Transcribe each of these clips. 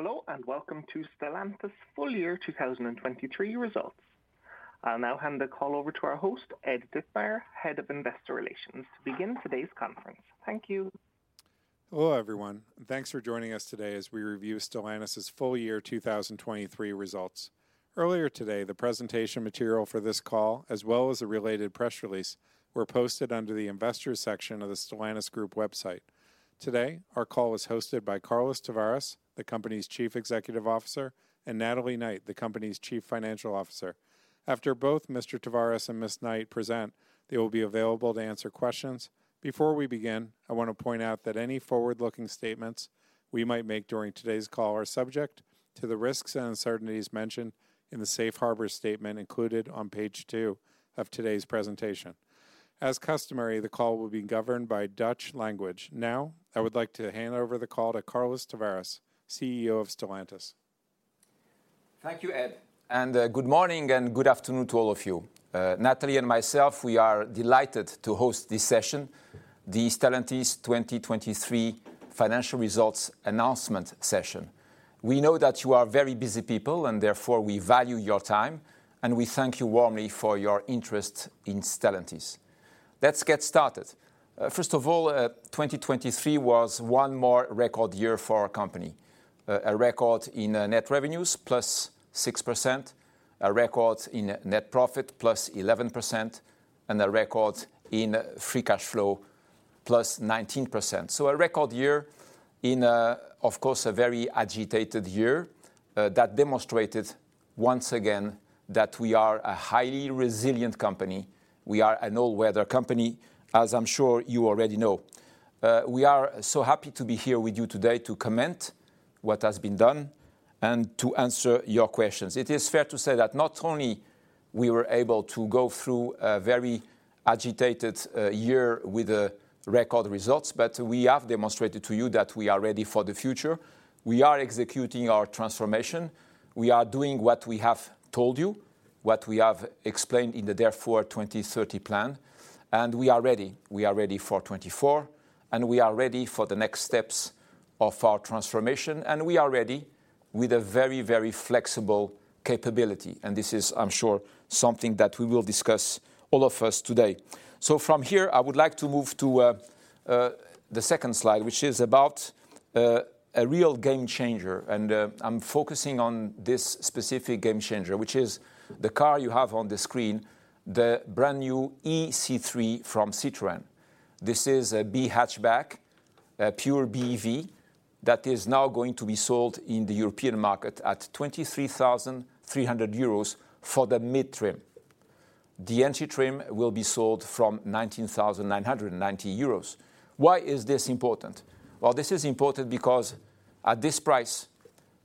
Hello, and welcome to Stellantis full-year 2023 results. I'll now hand the call over to our host, Ed Ditmire, Head of Investor Relations, to begin today's conference. Thank you. Hello, everyone, and thanks for joining us today as we review Stellantis' full year 2023 results. Earlier today, the presentation material for this call, as well as a related press release, were posted under the Investors section of the Stellantis group website. Today, our call is hosted by Carlos Tavares, the company's Chief Executive Officer, and Natalie Knight, the company's Chief Financial Officer. After both Mr. Tavares and Ms. Knight present, they will be available to answer questions. Before we begin, I want to point out that any forward-looking statements we might make during today's call are subject to the risks and uncertainties mentioned in the safe harbor statement included on page 2 of today's presentation. As customary, the call will be governed by Dutch language. Now, I would like to hand over the call to Carlos Tavares, CEO of Stellantis. Thank you, Ed, and good morning and good afternoon to all of you. Natalie and myself, we are delighted to host this session, the Stellantis 2023 financial results announcement session. We know that you are very busy people, and therefore, we value your time, and we thank you warmly for your interest in Stellantis. Let's get started. First of all, 2023 was one more record year for our company. A record in net revenues, +6%, a record in net profit, +11%, and a record in free cash flow, +19%. So a record year in, of course, a very agitated year that demonstrated once again that we are a highly resilient company. We are an all-weather company, as I'm sure you already know. We are so happy to be here with you today to comment what has been done and to answer your questions. It is fair to say that not only we were able to go through a very agitated year with record results, but we have demonstrated to you that we are ready for the future. We are executing our transformation. We are doing what we have told you, what we have explained in the Dare Forward 2030 plan, and we are ready. We are ready for 2024, and we are ready for the next steps of our transformation, and we are ready with a very, very flexible capability, and this is, I'm sure, something that we will discuss, all of us today. So from here, I would like to move to the second slide, which is about a real game changer, and I'm focusing on this specific game changer, which is the car you have on the screen, the brand-new ë-C3 from Citroën. This is a B hatchback, a pure BEV, that is now going to be sold in the European market at 23,300 euros for the mid-trim. The entry trim will be sold from 19,990 euros. Why is this important? Well, this is important because at this price,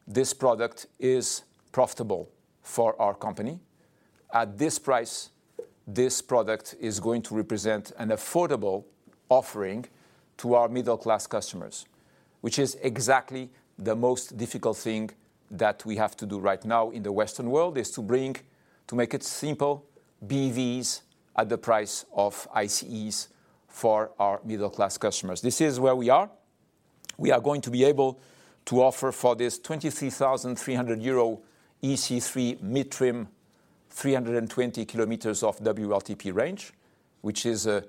this product is profitable for our company. At this price, this product is going to represent an affordable offering to our middle-class customers, which is exactly the most difficult thing that we have to do right now in the Western world, is to bring, to make it simple, BEVs at the price of ICEs for our middle-class customers. This is where we are. We are going to be able to offer for this 23,300 euro ë-C3 mid-trim, 320 km of WLTP range, which is a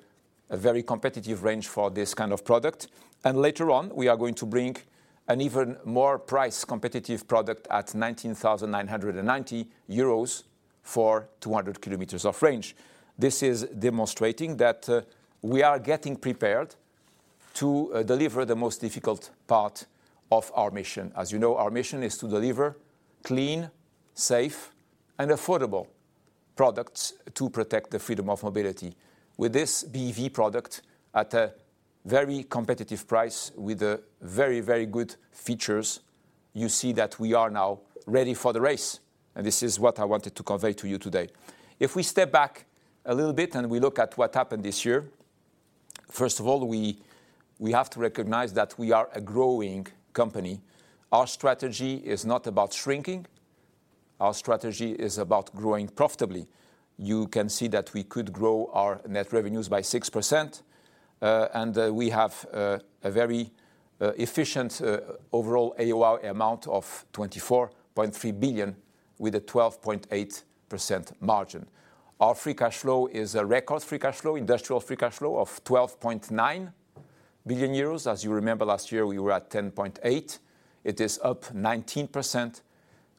very competitive range for this kind of product. And later on, we are going to bring an even more price competitive product at 19,990 euros for 200 km of range. This is demonstrating that we are getting prepared to deliver the most difficult part of our mission. As you know, our mission is to deliver clean, safe, and affordable products to protect the freedom of mobility. With this BEV product at a very competitive price, with very, very good features, you see that we are now ready for the race, and this is what I wanted to convey to you today. If we step back a little bit and we look at what happened this year, first of all, we, we have to recognize that we are a growing company. Our strategy is not about shrinking. Our strategy is about growing profitably. You can see that we could grow our net revenues by 6%, and we have a very efficient overall AOI amount of 24.3 billion with a 12.8% margin. Our free cash flow is a record free cash flow, industrial free cash flow of 12.9 billion euros. As you remember, last year, we were at 10.8. It is up 19%,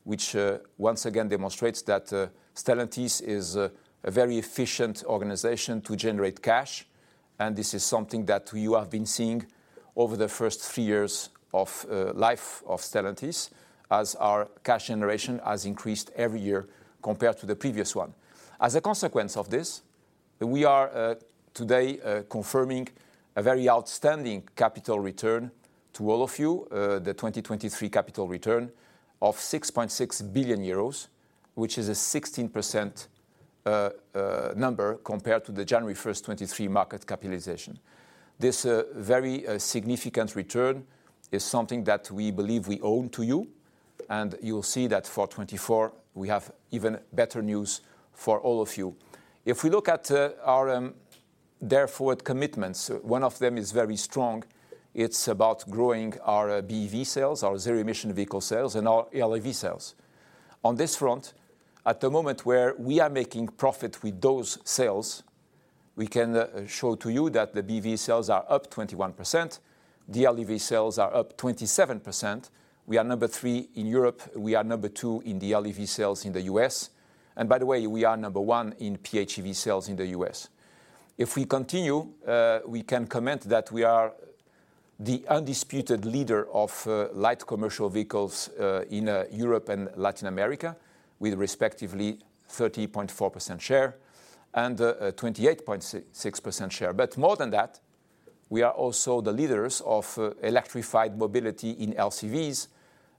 which, once again demonstrates that, Stellantis is a, a very efficient organization to generate cash, and this is something that you have been seeing over the first three years of, life of Stellantis, as our cash generation has increased every year compared to the previous one. As a consequence of this, we are, today, confirming a very outstanding capital return to all of you, the 2023 capital return of 6.6 billion euros, which is a 16%, number compared to the January 1, 2023, market capitalization. This very significant return is something that we believe we owe to you, and you will see that for 2024, we have even better news for all of you. If we look at our Dare Forward commitments, one of them is very strong. It's about growing our BEV sales, our zero-emission vehicle sales, and our LEV sales. On this front, at the moment where we are making profit with those sales, we can show to you that the BEV sales are up 21%. The LEV sales are up 27%. We are number 3 in Europe. We are number 2 in the LEV sales in the U.S. And by the way, we are number 1 in PHEV sales in the U.S. If we continue, we can comment that we are the undisputed leader of light commercial vehicles in Europe and Latin America, with respectively 30.4% share and a 28.6% share. But more than that, we are also the leaders of electrified mobility in LCVs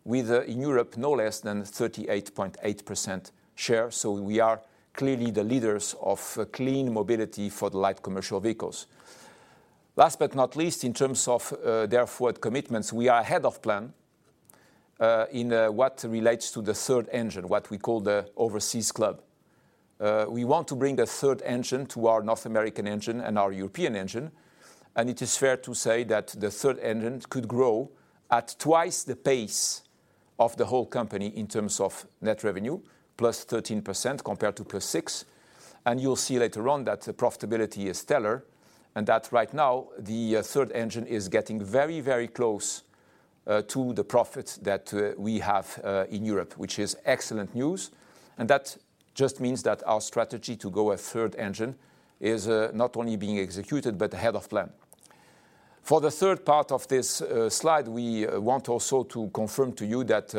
with in Europe, no less than 38.8% share. So we are clearly the leaders of clean mobility for the light commercial vehicles. Last but not least, in terms of Dare Forward commitments, we are ahead of plan in what relates to the Third Engine, what we call the overseas club. We want to bring the Third Engine to our North American engine and our European engine, and it is fair to say that the Third Engine could grow at twice the pace of the whole company in terms of net revenue, +13% compared to +6%. And you'll see later on that the profitability is stellar, and that right now, the Third Engine is getting very, very close to the profits that we have in Europe, which is excellent news. And that just means that our strategy to go a Third Engine is not only being executed but ahead of plan. For the third part of this slide, we want also to confirm to you that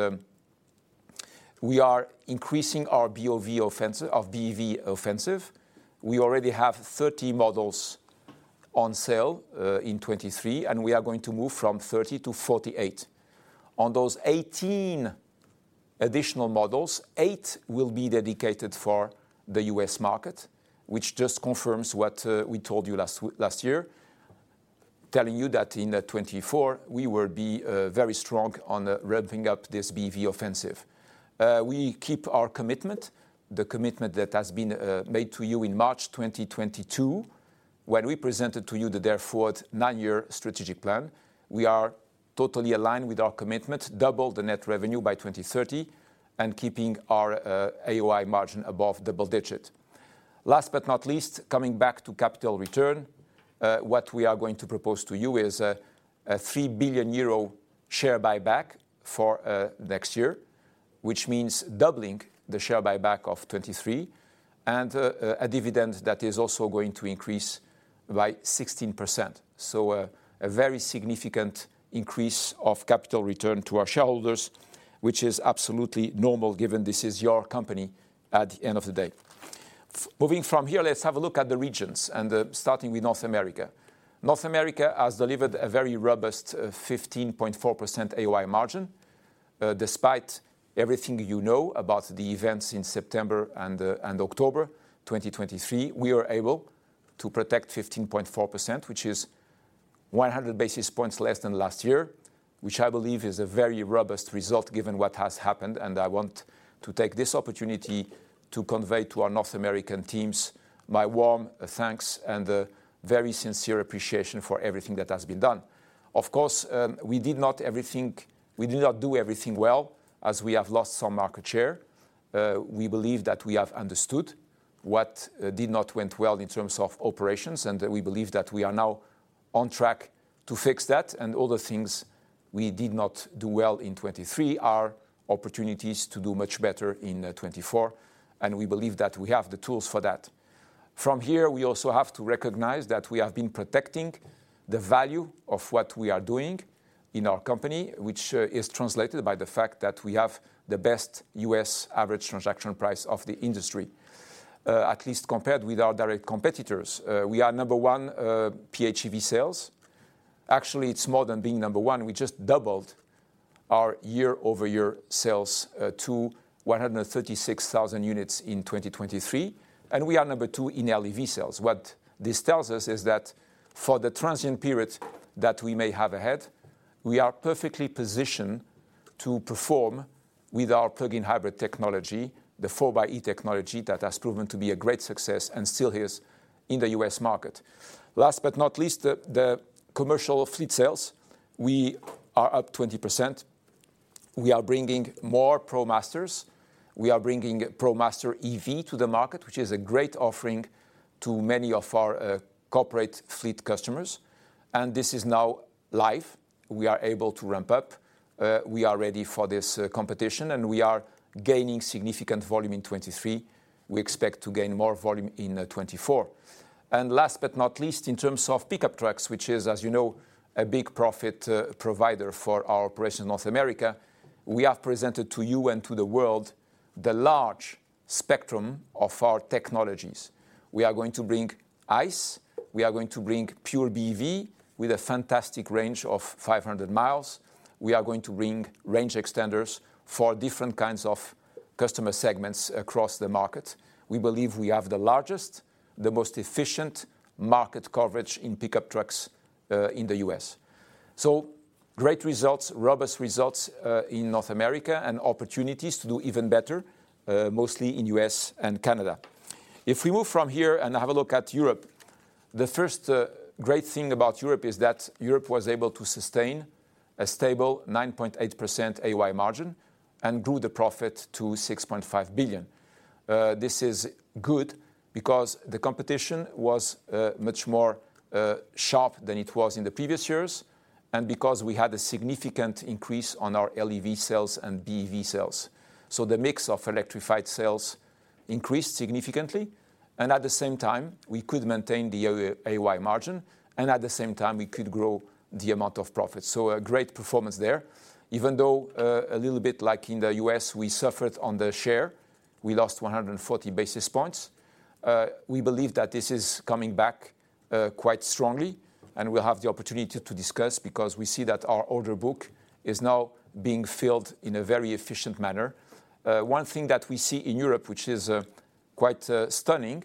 we are increasing our BEV offensive. We already have 30 models on sale in 2023, and we are going to move from 30 to 48. On those 18 additional models, 8 will be dedicated for the U.S. market, which just confirms what we told you last week- last year, telling you that in 2024, we will be very strong on ramping up this BEV offensive. We keep our commitment, the commitment that has been made to you in March 2022, when we presented to you the Dare Forward 9-year strategic plan. We are totally aligned with our commitment, double the net revenue by 2030, and keeping our AOI margin above double digit. Last but not least, coming back to capital return, what we are going to propose to you is a 3 billion euro share buyback for next year, which means doubling the share buyback of 2023 and a dividend that is also going to increase by 16%. So a very significant increase of capital return to our shareholders, which is absolutely normal, given this is your company at the end of the day. Moving from here, let's have a look at the regions and starting with North America. North America has delivered a very robust 15.4% AOI margin. Despite everything you know about the events in September and October 2023, we were able to protect 15.4%, which is 100 basis points less than last year, which I believe is a very robust result given what has happened. And I want to take this opportunity to convey to our North American teams my warm thanks and a very sincere appreciation for everything that has been done. Of course, we did not do everything well, as we have lost some market share. We believe that we have understood what did not went well in terms of operations, and we believe that we are now on track to fix that. All the things we did not do well in 2023 are opportunities to do much better in 2024, and we believe that we have the tools for that. From here, we also have to recognize that we have been protecting the value of what we are doing in our company, which is translated by the fact that we have the best U.S. average transaction price of the industry, at least compared with our direct competitors. We are number one in PHEV sales. Actually, it's more than being number one. We just doubled our year-over-year sales to 136,000 units in 2023, and we are number two in LEV sales. What this tells us is that for the transient periods that we may have ahead, we are perfectly positioned to perform with our plug-in hybrid technology, the 4xe technology that has proven to be a great success and still is in the U.S. market. Last but not least, the commercial fleet sales, we are up 20%. We are bringing more ProMasters. We are bringing ProMaster EV to the market, which is a great offering to many of our corporate fleet customers, and this is now live. We are able to ramp up. We are ready for this competition, and we are gaining significant volume in 2023. We expect to gain more volume in 2024. Last but not least, in terms of pickup trucks, which is, as you know, a big profit provider for our operation in North America, we have presented to you and to the world the large spectrum of our technologies. We are going to bring ICE. We are going to bring pure BEV with a fantastic range of 500 miles. We are going to bring range extenders for different kinds of customer segments across the market. We believe we have the largest, the most efficient market coverage in pickup trucks in the U.S. Great results, robust results in North America, and opportunities to do even better, mostly in U.S. and Canada. If we move from here and have a look at Europe, the first great thing about Europe is that Europe was able to sustain a stable 9.8% AOI margin and grew the profit to 6.5 billion. This is good because the competition was much more sharp than it was in the previous years, and because we had a significant increase on our LEV sales and BEV sales. So the mix of electrified sales increased significantly, and at the same time, we could maintain the AOI margin, and at the same time, we could grow the amount of profit. So a great performance there. Even though, a little bit like in the U.S., we suffered on the share, we lost 140 basis points. We believe that this is coming back, quite strongly, and we'll have the opportunity to discuss, because we see that our order book is now being filled in a very efficient manner. One thing that we see in Europe, which is quite stunning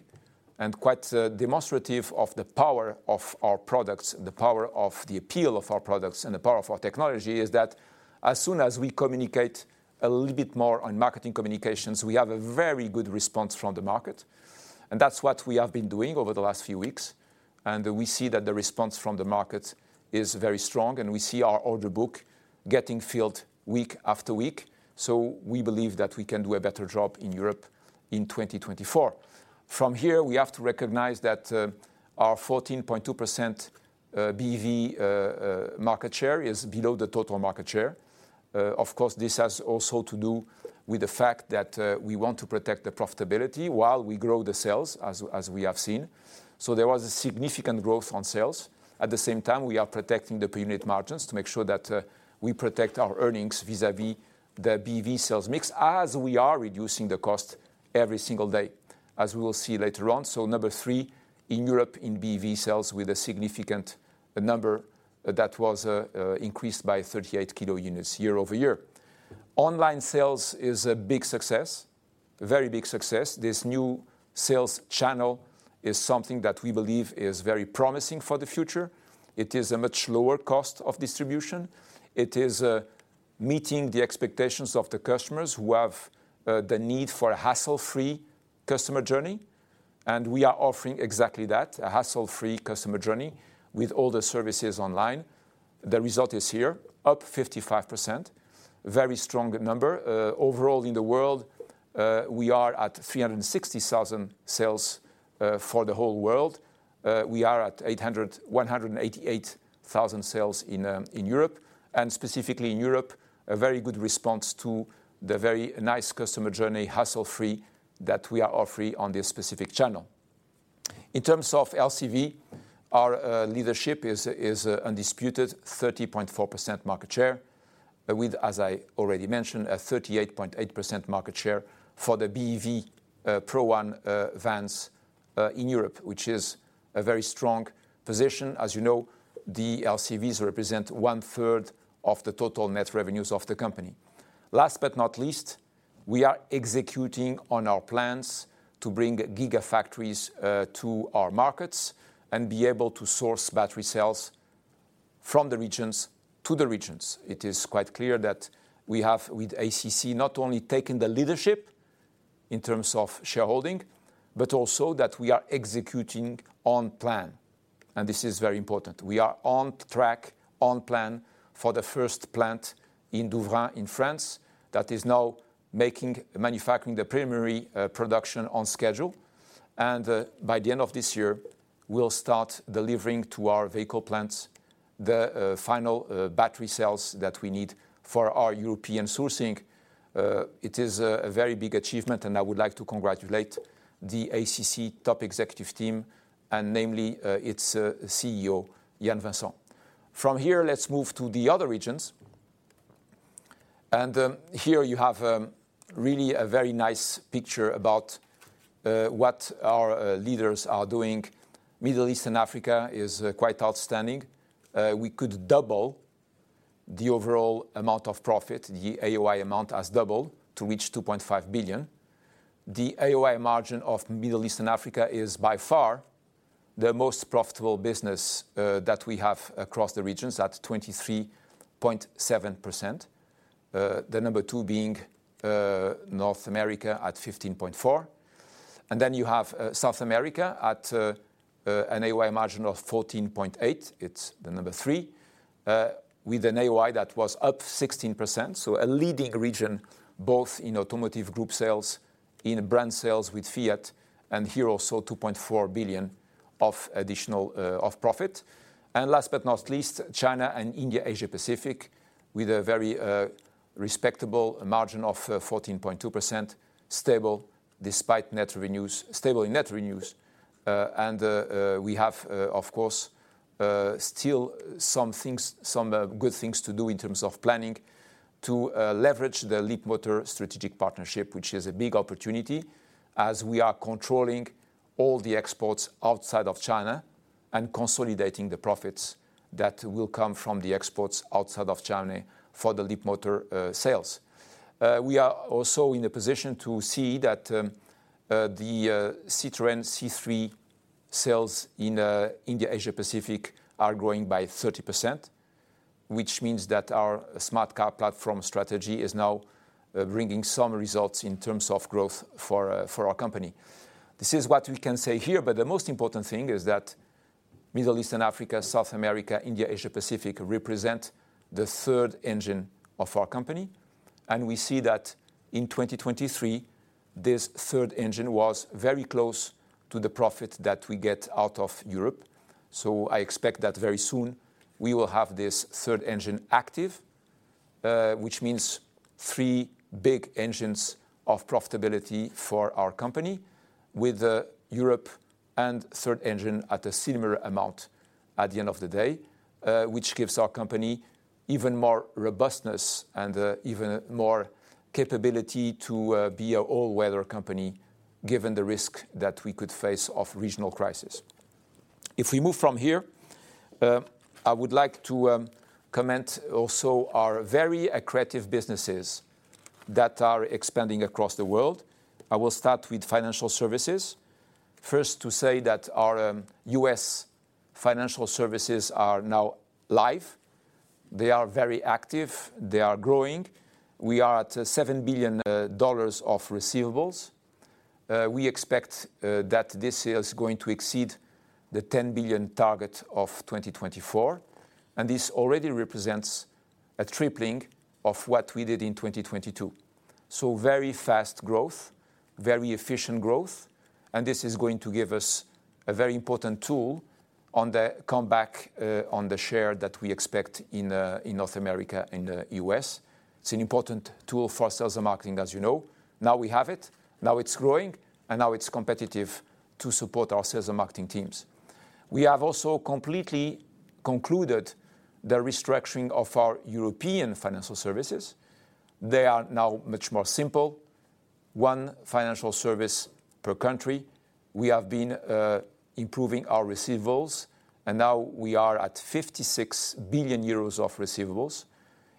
and quite demonstrative of the power of our products, the power of the appeal of our products, and the power of our technology, is that as soon as we communicate a little bit more on marketing communications, we have a very good response from the market. And that's what we have been doing over the last few weeks, and we see that the response from the market is very strong, and we see our order book getting filled week after week. So we believe that we can do a better job in Europe in 2024. From here, we have to recognize that, our 14.2%, BEV, market share is below the total market share. Of course, this has also to do with the fact that, we want to protect the profitability while we grow the sales, as, as we have seen. So there was a significant growth on sales. At the same time, we are protecting the per unit margins to make sure that, we protect our earnings vis-à-vis the BEV sales mix, as we are reducing the cost every single day, as we will see later on. So number three, in Europe, in BEV sales with a significant number that was, increased by 38 kilo units year-over-year. Online sales is a big success, a very big success. This new sales channel is something that we believe is very promising for the future. It is a much lower cost of distribution. It is, meeting the expectations of the customers who have, the need for a hassle-free customer journey, and we are offering exactly that, a hassle-free customer journey with all the services online. The result is here, up 55%. Very strong number. Overall, in the world, we are at 360,000 sales, for the whole world. We are at eight hundred- one hundred and eighty-eight thousand sales in, in Europe, and specifically in Europe, a very good response to the very nice customer journey, hassle-free, that we are offering on this specific channel. In terms of LCV, our leadership is undisputed, 30.4% market share, with, as I already mentioned, a 38.8% market share for the BEV Pro One vans in Europe, which is a very strong position. As you know, the LCVs represent one third of the total net revenues of the company. Last but not least, we are executing on our plans to bring Gigafactories to our markets and be able to source battery cells from the regions to the regions. It is quite clear that we have, with ACC, not only taken the leadership in terms of shareholding, but also that we are executing on plan, and this is very important. We are on track, on plan for the first plant in Douvrin, in France, that is now manufacturing the primary production on schedule. By the end of this year, we'll start delivering to our vehicle plants the final battery cells that we need for our European sourcing. It is a very big achievement, and I would like to congratulate the ACC top executive team, and namely, its CEO, Yann Vincent. From here, let's move to the other regions. Here you have really a very nice picture about what our leaders are doing. Middle East and Africa is quite outstanding. We could double the overall amount of profit. The AOI amount has doubled to reach 2.5 billion. The AOI margin of Middle East and Africa is by far the most profitable business that we have across the regions, at 23.7%. The number two being North America at 15.4%. Then you have South America at an AOI margin of 14.8%. It's the number three. With an AOI that was up 16%, so a leading region, both in automotive group sales, in brand sales with Fiat, and here also 2.4 billion of additional profit. And last but not least, China and India, Asia Pacific, with a very respectable margin of 14.2%, stable despite net revenues - stable in net revenues. And we have, of course, still some things, some good things to do in terms of planning to leverage the Leapmotor strategic partnership, which is a big opportunity, as we are controlling all the exports outside of China and consolidating the profits that will come from the exports outside of China for the Leapmotor sales. We are also in a position to see that the Citroën C3 Aircross sales in India, Asia Pacific are growing by 30%, which means that our Smart Car platform strategy is now bringing some results in terms of growth for our company. This is what we can say here, but the most important thing is that Middle East and Africa, South America, India, Asia Pacific represent the Third Engine of our company. We see that in 2023, this Third Engine was very close to the profit that we get out of Europe. So I expect that very soon we will have this Third Engine active, which means three big engines of profitability for our company, with Europe and Third Engine at a similar amount at the end of the day, which gives our company even more robustness and even more capability to be an all-weather company, given the risk that we could face of regional crisis. If we move from here, I would like to comment also our very accretive businesses that are expanding across the world. I will start with financial services. First, to say that our U.S. financial services are now live. They are very active, they are growing. We are at $7 billion of receivables. We expect that this year is going to exceed the 10 billion target of 2024, and this already represents a tripling of what we did in 2022. So very fast growth, very efficient growth, and this is going to give us a very important tool on the comeback, on the share that we expect in, in North America, in the U.S.. It's an important tool for sales and marketing, as you know. Now we have it, now it's growing, and now it's competitive to support our sales and marketing teams. We have also completely concluded the restructuring of our European financial services. They are now much more simple. One financial service per country. We have been improving our receivables, and now we are at 56 billion euros of receivables.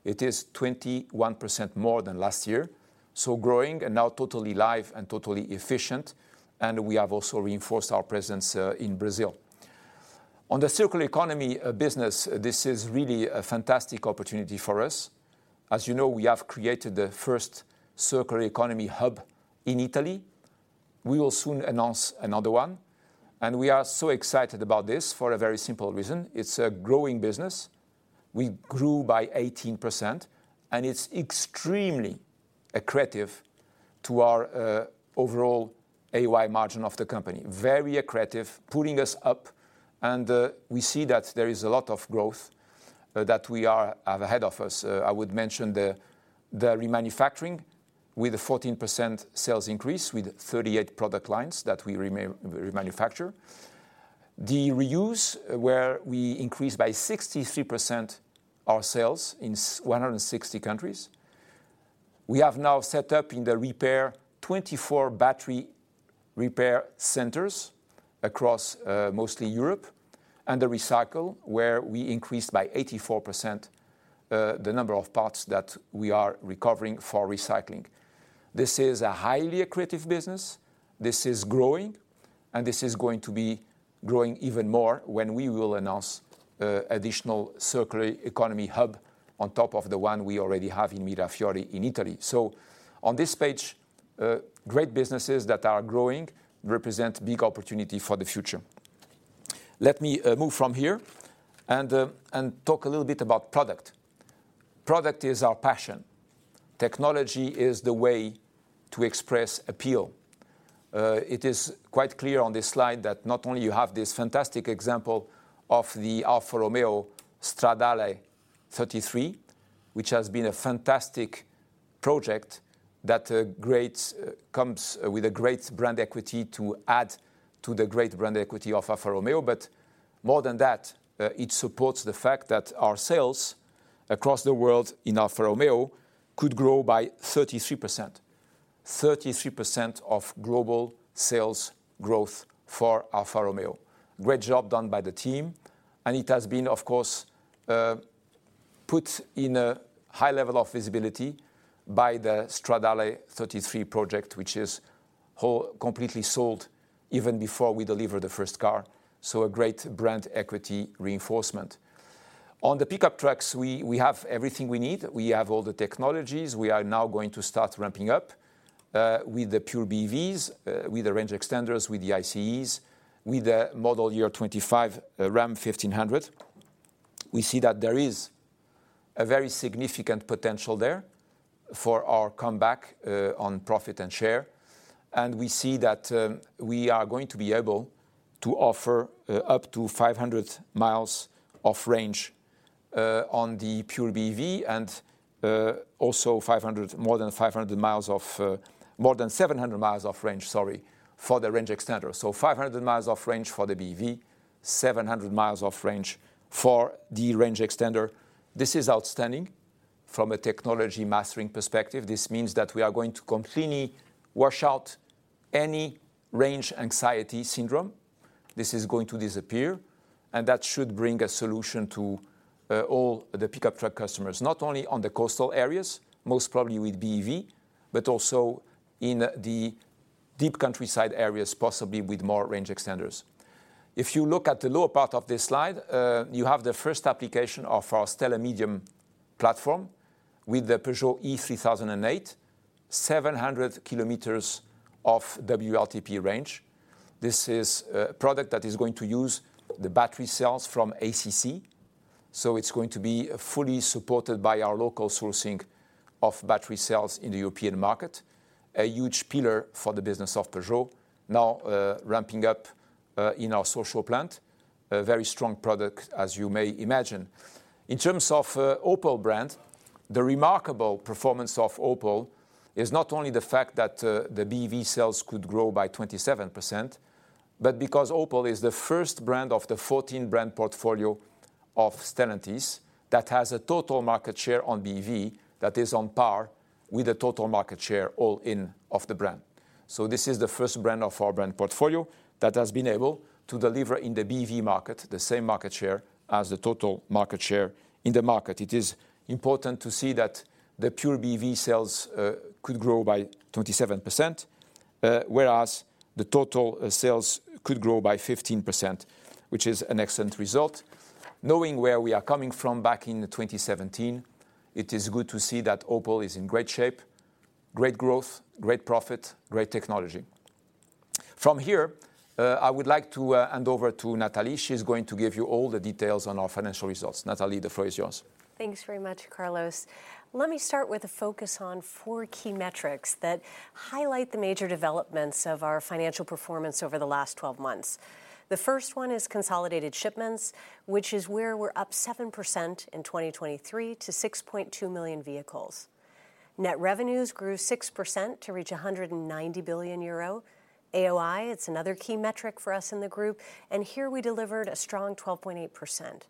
It is 21% more than last year, so growing and now totally live and totally efficient, and we have also reinforced our presence in Brazil. On the circular economy business, this is really a fantastic opportunity for us. As you know, we have created the first Circular Economy Hub in Italy. We will soon announce another one, and we are so excited about this for a very simple reason: it's a growing business. We grew by 18%, and it's extremely accretive to our overall AOI margin of the company. Very accretive, pulling us up, and we see that there is a lot of growth that we have ahead of us. I would mention the remanufacturing, with a 14% sales increase, with 38 product lines that we remanufacture. The reuse, where we increased by 63% our sales in 160 countries. We have now set up in the repair, 24 battery repair centers across, mostly Europe, and the recycle, where we increased by 84%, the number of parts that we are recovering for recycling. This is a highly accretive business. This is growing, and this is going to be growing even more when we will announce, additional Circular Economy Hub on top of the one we already have in Mirafiori, in Italy. So on this page, great businesses that are growing represent big opportunity for the future. Let me, move from here and, and talk a little bit about product. Product is our passion. Technology is the way to express appeal. It is quite clear on this slide that not only you have this fantastic example of the Alfa Romeo 33 Stradale, which has been a fantastic project that comes with a great brand equity to add to the great brand equity of Alfa Romeo. But more than that, it supports the fact that our sales across the world in Alfa Romeo could grow by 33%. 33% of global sales growth for Alfa Romeo. Great job done by the team, and it has been, of course, put in a high level of visibility by the 33 Stradale project, which is completely sold even before we deliver the first car, so a great brand equity reinforcement. On the pickup trucks, we have everything we need. We have all the technologies. We are now going to start ramping up with the pure BEVs, with the range extenders, with the ICE, with the model year 25 Ram 1500. We see that there is a very significant potential there for our comeback on profit and share, and we see that we are going to be able to offer up to 500 miles of range on the pure BEV, and also more than 500 miles of more than 700 miles of range, sorry, for the range extender. So 500 miles of range for the BEV, 700 miles of range for the range extender. This is outstanding from a technology mastering perspective. This means that we are going to completely wash out any range anxiety syndrome. This is going to disappear. That should bring a solution to all the pickup truck customers, not only on the coastal areas, most probably with BEV, but also in the deep countryside areas, possibly with more range extenders. If you look at the lower part of this slide, you have the first application of our STLA Medium platform with the Peugeot E-3008, 700 km WLTP range. This is a product that is going to use the battery cells from ACC, so it's going to be fully supported by our local sourcing of battery cells in the European market, a huge pillar for the business of Peugeot, now ramping up in our Sochaux plant, a very strong product, as you may imagine. In terms of, Opel brand, the remarkable performance of Opel is not only the fact that, the BEV sales could grow by 27%, but because Opel is the first brand of the 14-brand portfolio of Stellantis that has a total market share on BEV that is on par with the total market share all-in of the brand. So this is the first brand of our brand portfolio that has been able to deliver in the BEV market, the same market share as the total market share in the market. It is important to see that the pure BEV sales could grow by 27%, whereas the total sales could grow by 15%, which is an excellent result. Knowing where we are coming from back in 2017, it is good to see that Opel is in great shape, great growth, great profit, great technology. From here, I would like to hand over to Natalie. She's going to give you all the details on our financial results. Natalie, the floor is yours. Thanks very much, Carlos. Let me start with a focus on 4 key metrics that highlight the major developments of our financial performance over the last 12 months. The first one is consolidated shipments, which is where we're up 7% in 2023 to 6.2 million vehicles. Net revenues grew 6% to reach 190 billion euro. AOI, it's another key metric for us in the group, and here we delivered a strong 12.8%.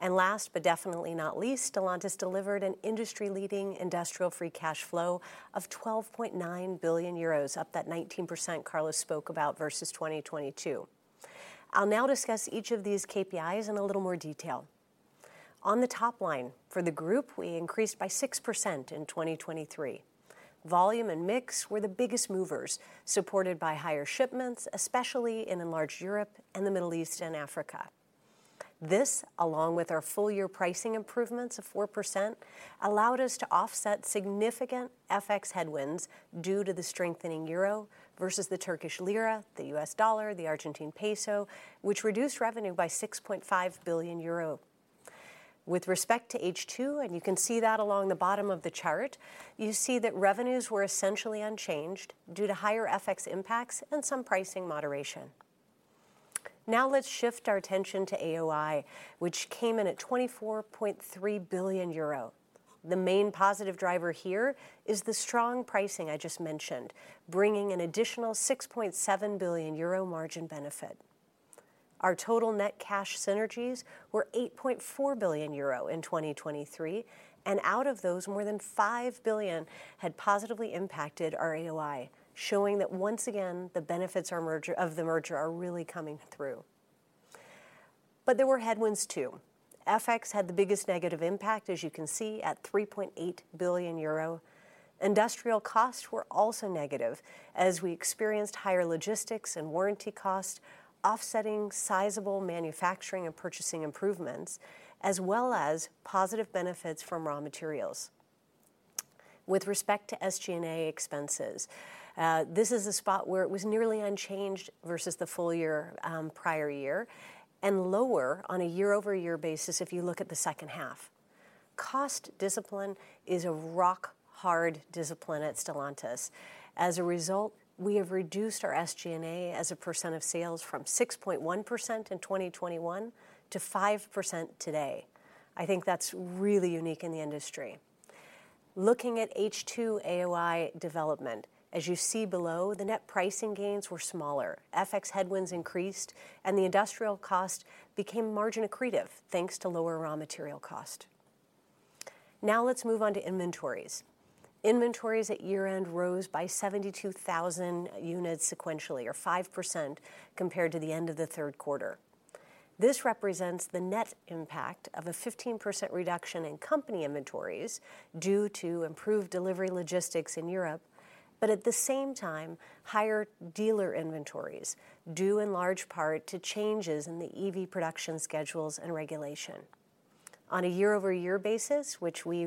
And last, but definitely not least, Stellantis delivered an industry-leading industrial free cash flow of 12.9 billion euros, up that 19% Carlos spoke about, versus 2022. I'll now discuss each of these KPIs in a little more detail. On the top line, for the group, we increased by 6% in 2023. Volume and mix were the biggest movers, supported by higher shipments, especially in Enlarged Europe and the Middle East and Africa. This, along with our full-year pricing improvements of 4%, allowed us to offset significant FX headwinds due to the strengthening euro versus the Turkish lira, the U.S. dollar, the Argentine peso, which reduced revenue by 6.5 billion euro. With respect to H2, and you can see that along the bottom of the chart, you see that revenues were essentially unchanged due to higher FX impacts and some pricing moderation. Now let's shift our attention to AOI, which came in at 24.3 billion euro. The main positive driver here is the strong pricing I just mentioned, bringing an additional 6.7 billion euro margin benefit. Our total net cash synergies were 8.4 billion euro in 2023, and out of those, more than 5 billion had positively impacted our AOI, showing that once again, the benefits of the merger are really coming through. But there were headwinds, too. FX had the biggest negative impact, as you can see, at 3.8 billion euro. Industrial costs were also negative, as we experienced higher logistics and warranty costs, offsetting sizable manufacturing and purchasing improvements, as well as positive benefits from raw materials. With respect to SG&A expenses, this is a spot where it was nearly unchanged versus the full year, prior year, and lower on a year-over-year basis if you look at the second half. Cost discipline is a rock-hard discipline at Stellantis. As a result, we have reduced our SG&A as a percent of sales from 6.1% in 2021 to 5% today. I think that's really unique in the industry. Looking at H2 AOI development, as you see below, the net pricing gains were smaller. FX headwinds increased, and the industrial cost became margin accretive, thanks to lower raw material cost. Now let's move on to inventories. Inventories at year-end rose by 72,000 units sequentially, or 5% compared to the end of the third quarter. This represents the net impact of a 15% reduction in company inventories due to improved delivery logistics in Europe, but at the same time, higher dealer inventories, due in large part to changes in the EV production schedules and regulation. On a year-over-year basis, which we,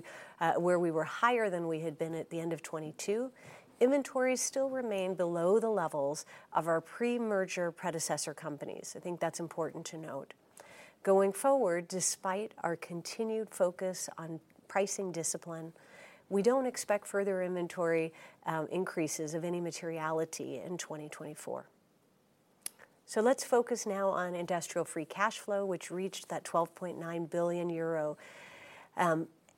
where we were higher than we had been at the end of 2022, inventories still remain below the levels of our pre-merger predecessor companies. I think that's important to note. Going forward, despite our continued focus on pricing discipline, we don't expect further inventory increases of any materiality in 2024. So let's focus now on industrial free cash flow, which reached that 12.9 billion euro.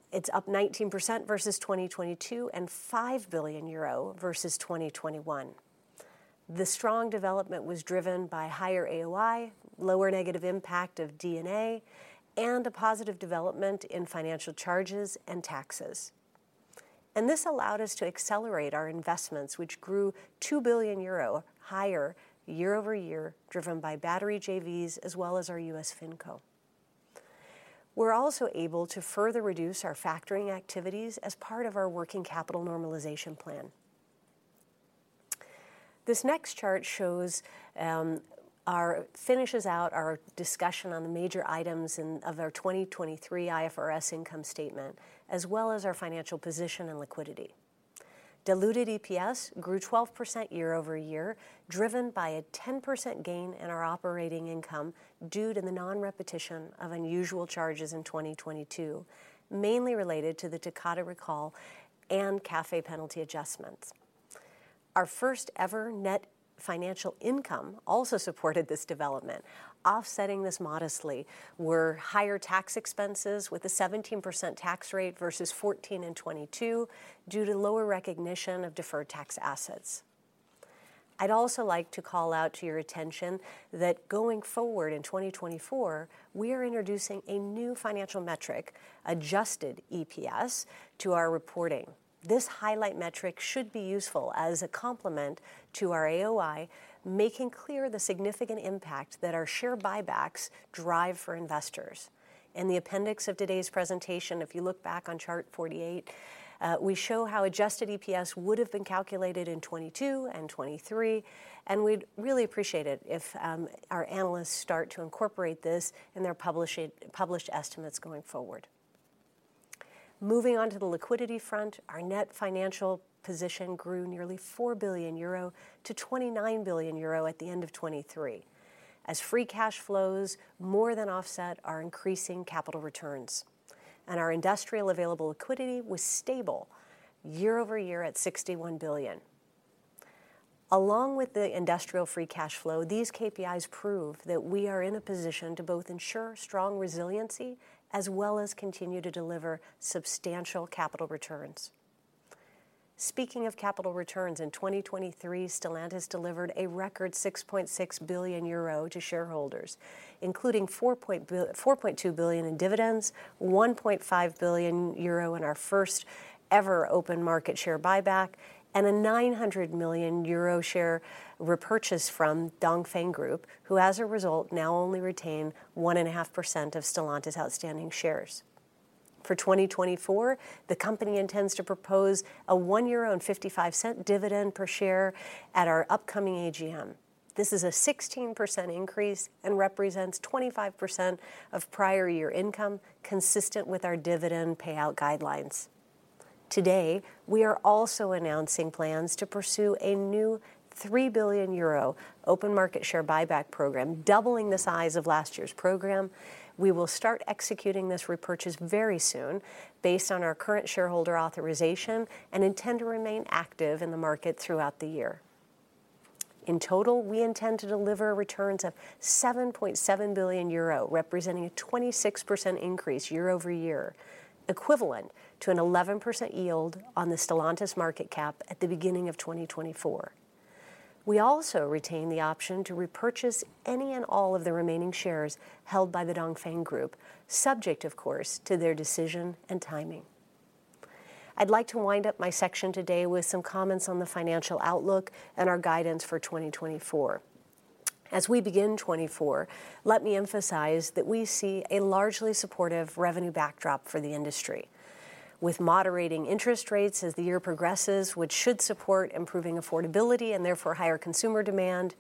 It's up 19% versus 2022, and 5 billion euro versus 2021. The strong development was driven by higher AOI, lower negative impact of D&A, and a positive development in financial charges and taxes, and this allowed us to accelerate our investments, which grew 2 billion euro higher year-over-year, driven by battery JVs as well as our U.S. FinCo. We're also able to further reduce our factoring activities as part of our working capital normalization plan. This next chart shows our finishes out our discussion on the major items in of our 2023 IFRS income statement, as well as our financial position and liquidity. Diluted EPS grew 12% year-over-year, driven by a 10% gain in our operating income, due to the non-repetition of unusual charges in 2022, mainly related to the Takata recall and CAFE penalty adjustments. Our first ever net financial income also supported this development. Offsetting this modestly were higher tax expenses, with a 17% tax rate versus 14% in 2022, due to lower recognition of deferred tax assets. I'd also like to call out to your attention that going forward in 2024, we are introducing a new financial metric, adjusted EPS, to our reporting. This highlight metric should be useful as a complement to our AOI, making clear the significant impact that our share buybacks drive for investors. In the appendix of today's presentation, if you look back on chart 48, we show how adjusted EPS would have been calculated in 2022 and 2023, and we'd really appreciate it if our analysts start to incorporate this in their published estimates going forward. Moving on to the liquidity front, our net financial position grew nearly 4 billion euro to 29 billion euro at the end of 2023, as free cash flows more than offset our increasing capital returns. Our industrial available liquidity was stable year over year at 61 billion. Along with the industrial free cash flow, these KPIs prove that we are in a position to both ensure strong resiliency, as well as continue to deliver substantial capital returns. Speaking of capital returns, in 2023, Stellantis delivered a record 6.6 billion euro to shareholders, including 4.2 billion in dividends, 1.5 billion euro in our first ever open market share buyback, and a 900 million euro share repurchase from Dongfeng Group, who, as a result, now only retain 1.5% of Stellantis' outstanding shares. For 2024, the company intends to propose a 1.55 dividend per share at our upcoming AGM. This is a 16% increase and represents 25% of prior year income, consistent with our dividend payout guidelines. Today, we are also announcing plans to pursue a new 3 billion euro open market share buyback program, doubling the size of last year's program. We will start executing this repurchase very soon, based on our current shareholder authorization, and intend to remain active in the market throughout the year. In total, we intend to deliver returns of 7.7 billion euro, representing a 26% increase year-over-year, equivalent to an 11% yield on the Stellantis market cap at the beginning of 2024. We also retain the option to repurchase any and all of the remaining shares held by the Dongfeng Group, subject, of course, to their decision and timing. I'd like to wind up my section today with some comments on the financial outlook and our guidance for 2024. As we begin 2024, let me emphasize that we see a largely supportive revenue backdrop for the industry, with moderating interest rates as the year progresses, which should support improving affordability and therefore higher consumer demand.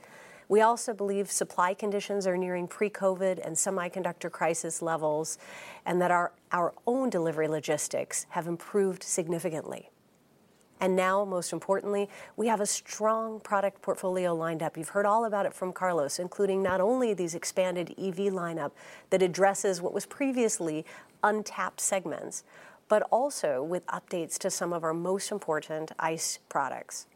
We also believe supply conditions are nearing pre-COVID and semiconductor crisis levels, and that our own delivery logistics have improved significantly. And now, most importantly, we have a strong product portfolio lined up. You've heard all about it from Carlos, including not only these expanded EV lineup that addresses what was previously untapped segments, but also with updates to some of our most important ICE products.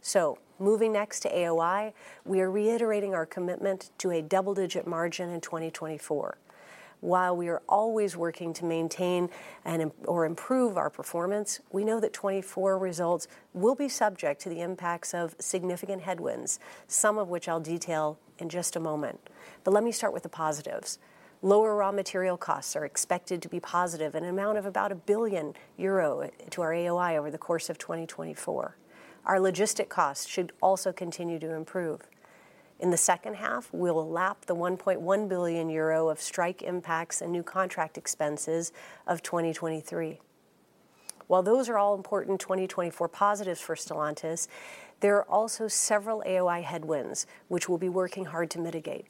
So moving next to AOI, we are reiterating our commitment to a double-digit margin in 2024. While we are always working to maintain and improve our performance, we know that 2024 results will be subject to the impacts of significant headwinds, some of which I'll detail in just a moment. But let me start with the positives. Lower raw material costs are expected to be positive, an amount of about 1 billion euro to our AOI over the course of 2024. Our logistics costs should also continue to improve. In the second half, we will lap the 1.1 billion euro of strike impacts and new contract expenses of 2023. While those are all important 2024 positives for Stellantis, there are also several AOI headwinds, which we'll be working hard to mitigate.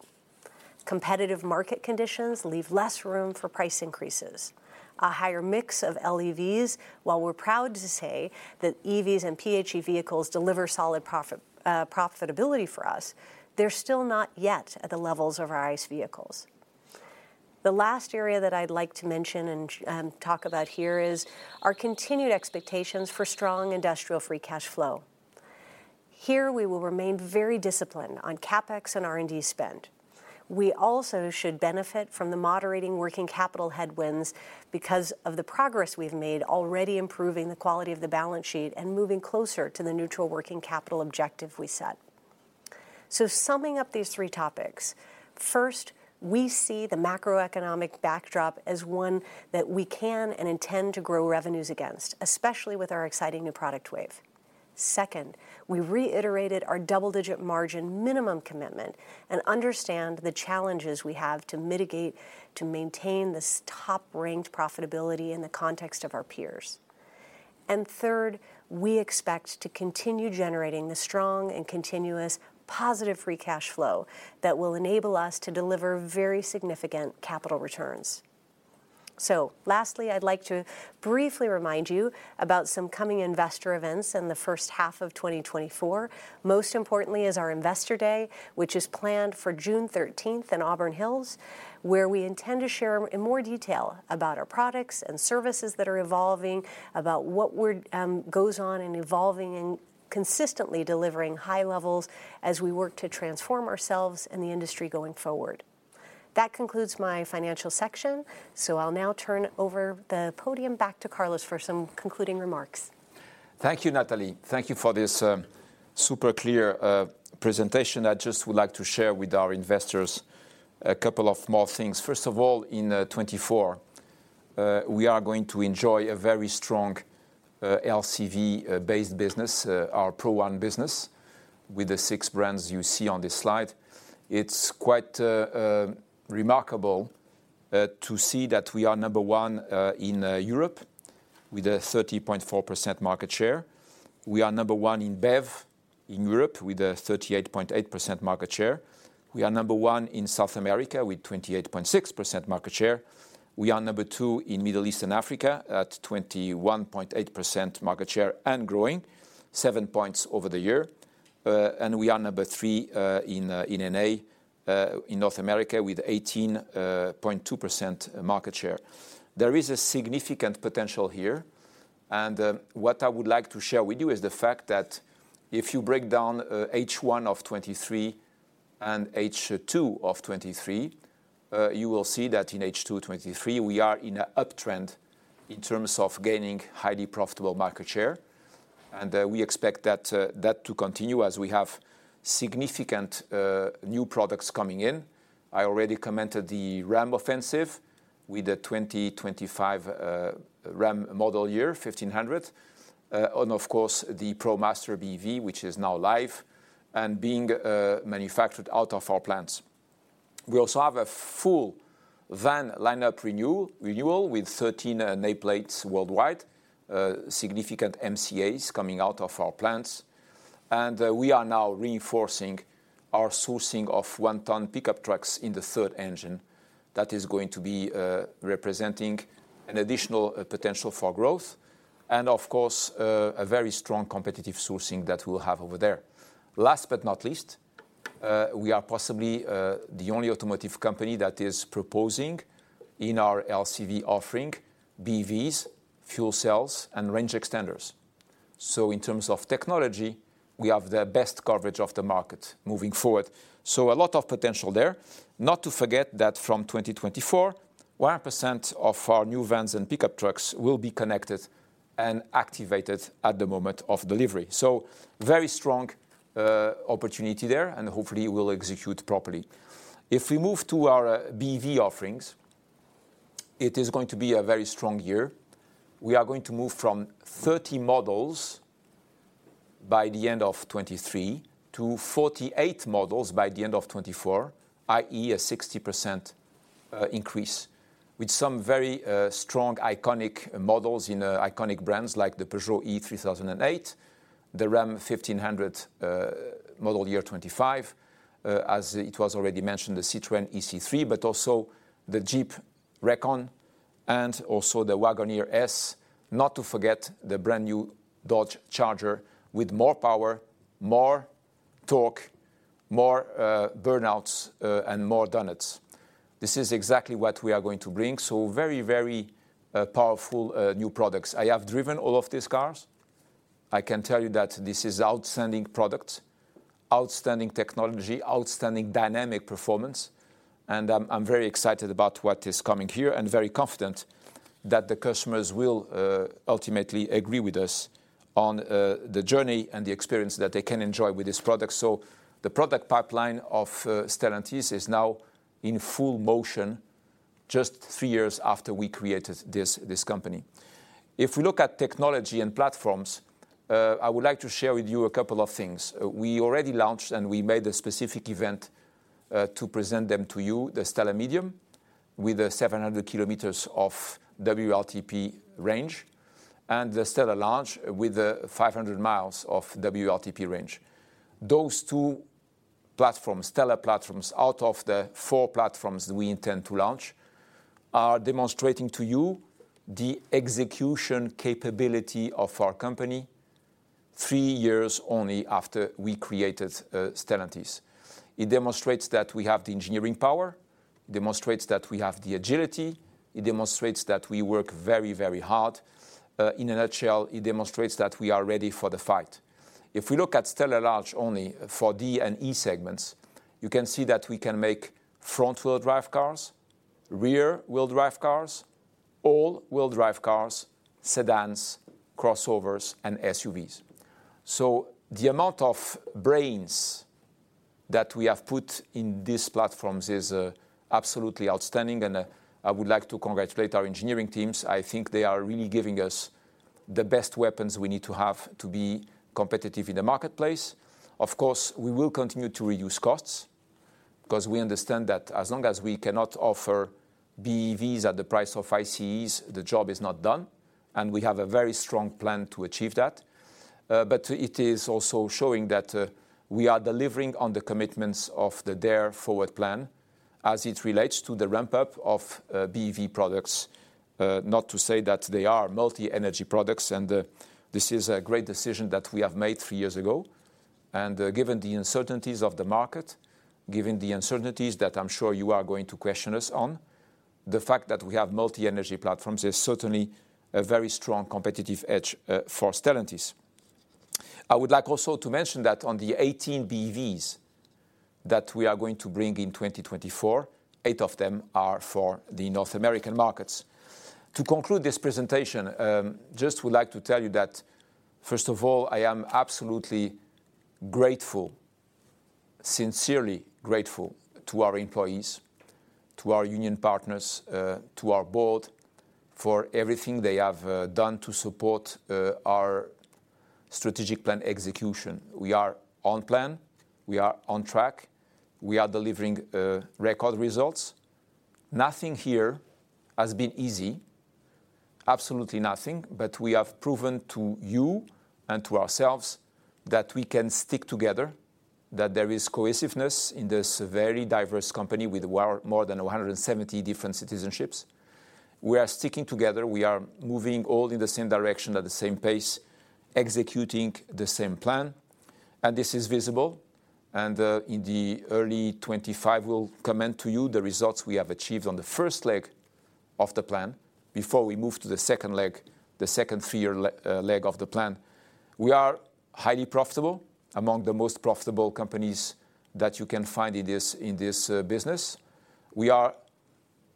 Competitive market conditions leave less room for price increases. A higher mix of LEVs, while we're proud to say that EVs and PHEV vehicles deliver solid profit, profitability for us, they're still not yet at the levels of our ICE vehicles. The last area that I'd like to mention and, talk about here is our continued expectations for strong industrial free cash flow. Here, we will remain very disciplined on CapEx and R&D spend. We also should benefit from the moderating working capital headwinds because of the progress we've made already improving the quality of the balance sheet and moving closer to the neutral working capital objective we set. So summing up these three topics, first, we see the macroeconomic backdrop as one that we can and intend to grow revenues against, especially with our exciting new product wave. Second, we reiterated our double-digit margin minimum commitment, and understand the challenges we have to mitigate to maintain this top-ranked profitability in the context of our peers. And third, we expect to continue generating the strong and continuous positive free cash flow that will enable us to deliver very significant capital returns. So lastly, I'd like to briefly remind you about some coming investor events in the first half of 2024. Most importantly is our Investor Day, which is planned for June 13th in Auburn Hills, where we intend to share in more detail about our products and services that are evolving, about what we're, goes on in evolving and consistently delivering high levels as we work to transform ourselves and the industry going forward. That concludes my financial section, so I'll now turn over the podium back to Carlos for some concluding remarks. Thank you, Natalie. Thank you for this, super clear, presentation. I just would like to share with our investors a couple of more things. First of all, in 2024, we are going to enjoy a very strong, LCV based business, our Pro One business, with the six brands you see on this slide. It's quite remarkable to see that we are number one in Europe, with a 30.4% market share. We are number one in BEV in Europe, with a 38.8% market share. We are number one in South America, with 28.6% market share. We are number two in Middle East and Africa, at 21.8% market share and growing seven points over the year. And we are number 3 in N.A. in North America with 18.2% market share. There is a significant potential here, and what I would like to share with you is the fact that if you break down H1 of 2023 and H2 of 2023 you will see that in H2 2023 we are in an uptrend in terms of gaining highly profitable market share, and we expect that to continue as we have significant new products coming in. I already commented the Ram offensive with the 2025 Ram model year 1500 and of course the ProMaster BEV which is now live and being manufactured out of our plants. We also have a full van lineup renewal with 13 nameplates worldwide significant MCAs coming out of our plants. We are now reinforcing our sourcing of one-ton pickup trucks in the Third Engine. That is going to be representing an additional potential for growth and of course, a very strong competitive sourcing that we'll have over there. Last but not least, we are possibly the only automotive company that is proposing in our LCV offering BEVs, fuel cells, and range extenders. So in terms of technology, we have the best coverage of the market moving forward, so a lot of potential there. Not to forget that from 2024, 1% of our new vans and pickup trucks will be connected and activated at the moment of delivery. So very strong opportunity there, and hopefully, we'll execute properly. If we move to our BEV offerings, it is going to be a very strong year. We are going to move from 30 models by the end of 2023 to 48 models by the end of 2024, i.e., a 60% increase, with some very strong iconic models in iconic brands like the Peugeot e-3008, the Ram 1500 model year 2025, as it was already mentioned, the Citroën ë-C3, but also the Jeep Recon, and also the Wagoneer S. Not to forget the brand-new Dodge Charger with more power, more torque, more burnouts, and more donuts. This is exactly what we are going to bring, so very, very powerful new products. I have driven all of these cars. I can tell you that this is outstanding product, outstanding technology, outstanding dynamic performance, and I'm very excited about what is coming here and very confident that the customers will ultimately agree with us on the journey and the experience that they can enjoy with this product. So the product pipeline of Stellantis is now in full motion, just three years after we created this company. If we look at technology and platforms, I would like to share with you a couple of things. We already launched, and we made a specific event to present them to you, the STLA Medium, with 700 km of WLTP range, and the STLA Large, with 500 miles of WLTP range. Those two platforms, STLA platforms, out of the four platforms we intend to launch, are demonstrating to you the execution capability of our company three years only after we created Stellantis. It demonstrates that we have the engineering power, demonstrates that we have the agility. It demonstrates that we work very, very hard. In a nutshell, it demonstrates that we are ready for the fight. If we look at STLA Large only for D and E segments, you can see that we can make front-wheel drive cars, rear-wheel drive cars, all wheel drive cars, sedans, crossovers, and SUVs. So the amount of brains that we have put in these platforms is absolutely outstanding, and I would like to congratulate our engineering teams. I think they are really giving us the best weapons we need to have to be competitive in the marketplace. Of course, we will continue to reduce costs, because we understand that as long as we cannot offer BEVs at the price of ICEs, the job is not done, and we have a very strong plan to achieve that. But it is also showing that we are delivering on the commitments of the Dare Forward plan as it relates to the ramp-up of BEV products. Not to say that they are multi-energy products, and this is a great decision that we have made three years ago. Given the uncertainties of the market, given the uncertainties that I'm sure you are going to question us on, the fact that we have multi-energy platforms is certainly a very strong competitive edge for Stellantis. I would like also to mention that on the 18 BEVs that we are going to bring in 2024, 8 of them are for the North American markets. To conclude this presentation, just would like to tell you that, first of all, I am absolutely grateful, sincerely grateful to our employees, to our union partners, to our board, for everything they have done to support our strategic plan execution. We are on plan, we are on track, we are delivering record results. Nothing here has been easy, absolutely nothing, but we have proven to you and to ourselves that we can stick together, that there is cohesiveness in this very diverse company with well, more than 170 different citizenships. We are sticking together. We are moving all in the same direction, at the same pace, executing the same plan, and this is visible. In the early 2025, we'll comment to you the results we have achieved on the first leg of the plan before we move to the second leg, the second three-year leg of the plan. We are highly profitable, among the most profitable companies that you can find in this business. We are,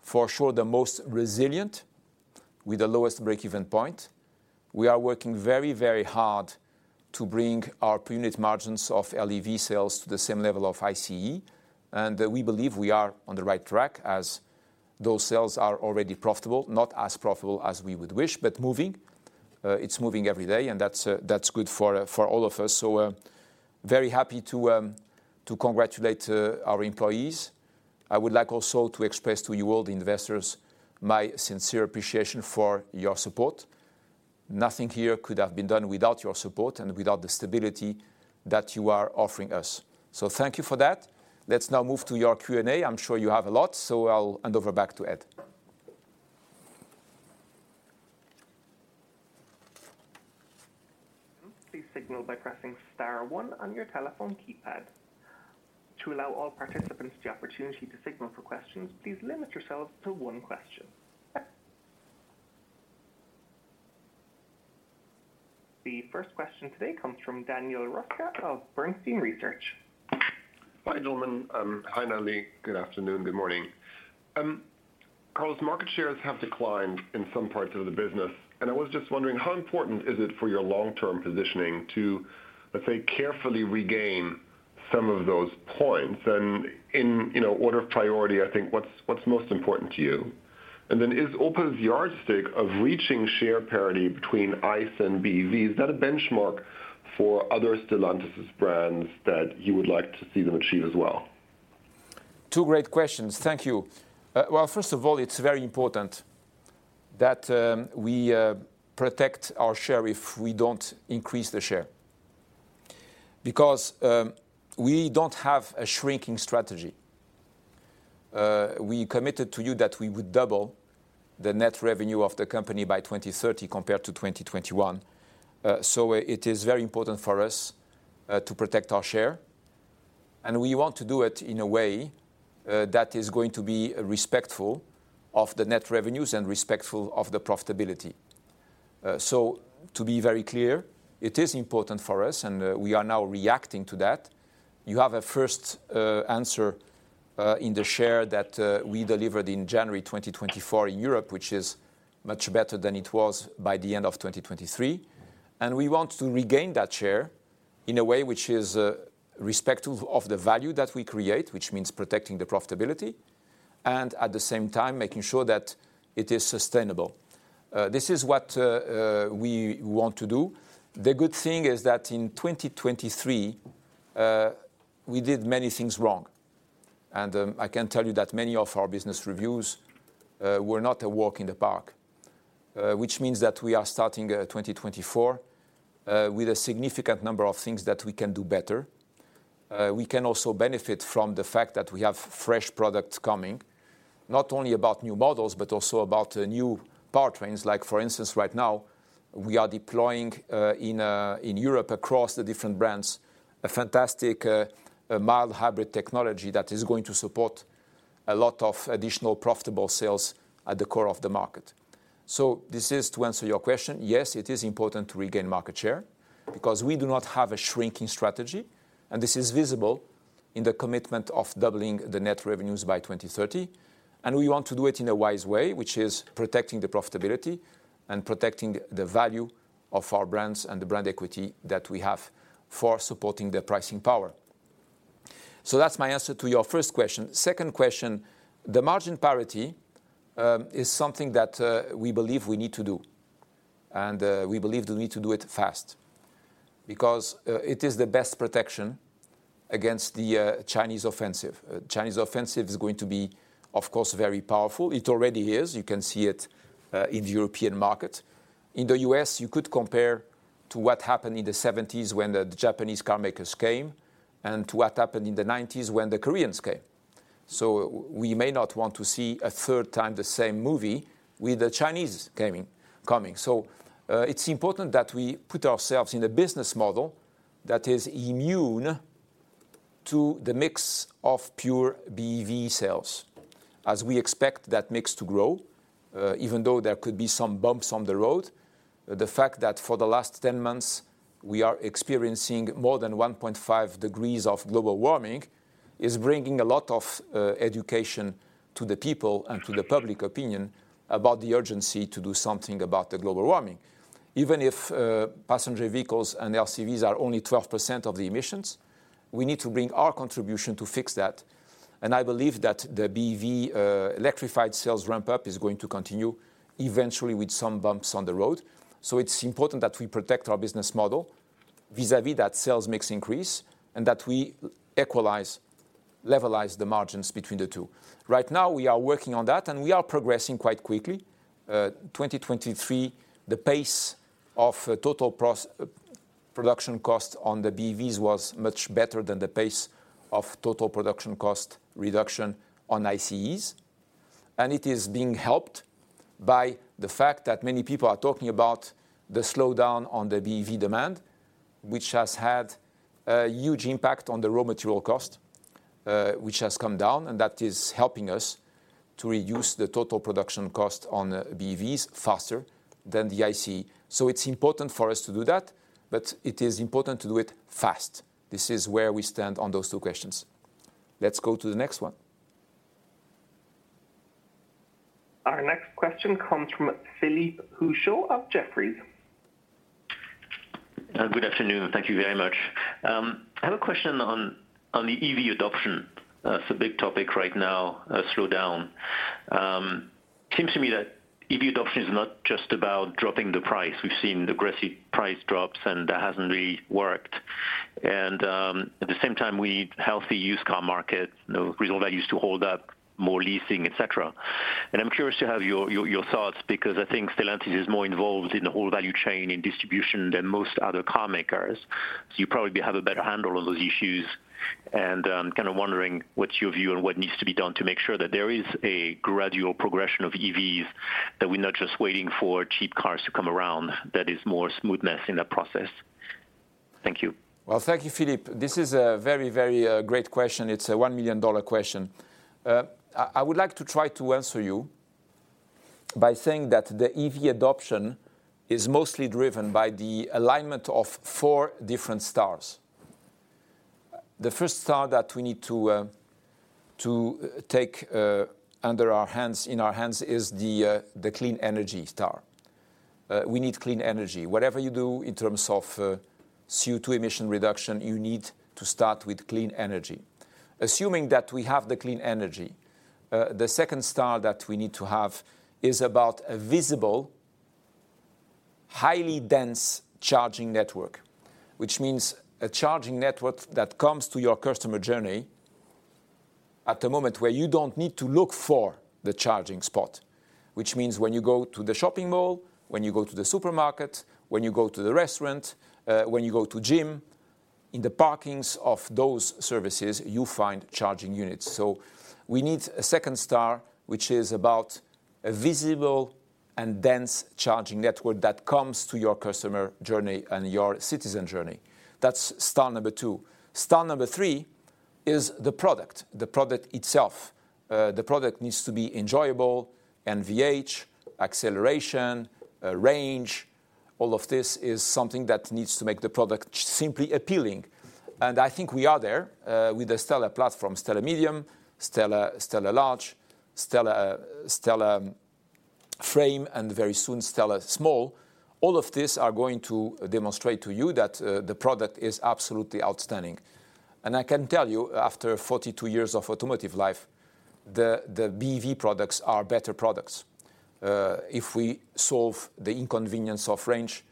for sure, the most resilient, with the lowest break-even point. We are working very, very hard to bring our per unit margins of LEV sales to the same level of ICE. And we believe we are on the right track, as those sales are already profitable. Not as profitable as we would wish, but moving. It's moving every day, and that's good for all of us. So, very happy to congratulate our employees. I would like also to express to you all, the investors, my sincere appreciation for your support. Nothing here could have been done without your support and without the stability that you are offering us. So thank you for that. Let's now move to your Q&A. I'm sure you have a lot, so I'll hand over back to Ed. Please signal by pressing star one on your telephone keypad. To allow all participants the opportunity to signal for questions, please limit yourselves to one question. The first question today comes from Daniel Roeska of Bernstein Research. Hi, gentlemen. Hi, Natalie. Good afternoon, good morning. Carlos, market shares have declined in some parts of the business, and I was just wondering, how important is it for your long-term positioning to, let's say, carefully regain some of those points? And in, you know, order of priority, I think what's, what's most important to you? And then is Opel's yardstick of reaching share parity between ICE and BEV, is that a benchmark for other Stellantis's brands that you would like to see them achieve as well? Two great questions. Thank you. Well, first of all, it's very important that we protect our share if we don't increase the share. Because we don't have a shrinking strategy. We committed to you that we would double the net revenue of the company by 2030, compared to 2021. So it is very important for us to protect our share, and we want to do it in a way that is going to be respectful of the net revenues and respectful of the profitability. So to be very clear, it is important for us, and we are now reacting to that. You have a first answer in the share that we delivered in January 2024 in Europe, which is much better than it was by the end of 2023. We want to regain that share in a way which is respective of the value that we create, which means protecting the profitability, and at the same time, making sure that it is sustainable. This is what we want to do. The good thing is that in 2023, we did many things wrong. I can tell you that many of our business reviews were not a walk in the park, which means that we are starting 2024 with a significant number of things that we can do better. We can also benefit from the fact that we have fresh products coming, not only about new models, but also about new powertrains. Like, for instance, right now, we are deploying in Europe across the different brands, a fantastic mild hybrid technology that is going to support a lot of additional profitable sales at the core of the market. So this is to answer your question. Yes, it is important to regain market share because we do not have a shrinking strategy, and this is visible in the commitment of doubling the net revenues by 2030, and we want to do it in a wise way, which is protecting the profitability and protecting the value of our brands and the brand equity that we have for supporting the pricing power. So that's my answer to your first question. Second question, the margin parity is something that we believe we need to do, and we believe we need to do it fast because it is the best protection against the Chinese offensive. Chinese offensive is going to be, of course, very powerful. It already is. You can see it in the European market. In the U.S., you could compare to what happened in the 1970s when the Japanese carmakers came and to what happened in the 1990s when the Koreans came. So we may not want to see a third time the same movie with the Chinese coming, coming. So it's important that we put ourselves in a business model that is immune to the mix of pure BEV sales. As we expect that mix to grow, even though there could be some bumps on the road, the fact that for the last 10 months, we are experiencing more than 1.5 degrees of global warming, is bringing a lot of, education to the people and to the public opinion about the urgency to do something about the global warming. Even if, passenger vehicles and LCVs are only 12% of the emissions, we need to bring our contribution to fix that. And I believe that the BEV, electrified sales ramp-up is going to continue eventually with some bumps on the road. So it's important that we protect our business model vis-a-vis that sales mix increase, and that we equalize, levelize the margins between the two. Right now, we are working on that, and we are progressing quite quickly. 2023, the pace of total production cost on the BEVs was much better than the pace of total production cost reduction on ICEs. It is being helped by the fact that many people are talking about the slowdown on the BEV demand, which has had a huge impact on the raw material cost, which has come down, and that is helping us to reduce the total production cost on BEVs faster than the ICE. It's important for us to do that, but it is important to do it fast. This is where we stand on those two questions. Let's go to the next one. Our next question comes from Philippe Houchois of Jefferies. Good afternoon. Thank you very much. I have a question on the EV adoption. It's a big topic right now, slowdown. Seems to me that EV adoption is not just about dropping the price. We've seen aggressive price drops, and that hasn't really worked. And at the same time, we need healthy used car market, no residual values to hold up, more leasing, et cetera. And I'm curious to have your thoughts, because I think Stellantis is more involved in the whole value chain in distribution than most other car makers. So you probably have a better handle on those issues. Kind of wondering what's your view on what needs to be done to make sure that there is a gradual progression of EVs, that we're not just waiting for cheap cars to come around, that is more smoothness in that process. Thank you. Well, thank you, Philippe. This is a very, very great question. It's a $1 million question. I would like to try to answer you by saying that the EV adoption is mostly driven by the alignment of four different stars. The first star that we need to take under our hands, in our hands is the clean energy star. We need clean energy. Whatever you do in terms of CO2 emission reduction, you need to start with clean energy. Assuming that we have the clean energy, the second star that we need to have is about a visible, highly dense charging network, which means a charging network that comes to your customer journey at a moment where you don't need to look for the charging spot. Which means when you go to the shopping mall, when you go to the supermarket, when you go to the restaurant, when you go to gym, in the parkings of those services, you find charging units. So we need a second star, which is about a visible and dense charging network that comes to your customer journey and your citizen journey. That's star number two. Star number three is the product, the product itself. The product needs to be enjoyable, NVH, acceleration, range. All of this is something that needs to make the product simply appealing. And I think we are there, with the STLA platform, STLA Medium, STLA Large, STLA Frame, and very soon, STLA Small. All of these are going to demonstrate to you that, the product is absolutely outstanding. I can tell you, after 42 years of automotive life, the BEV products are better products, if we solve the inconvenience of range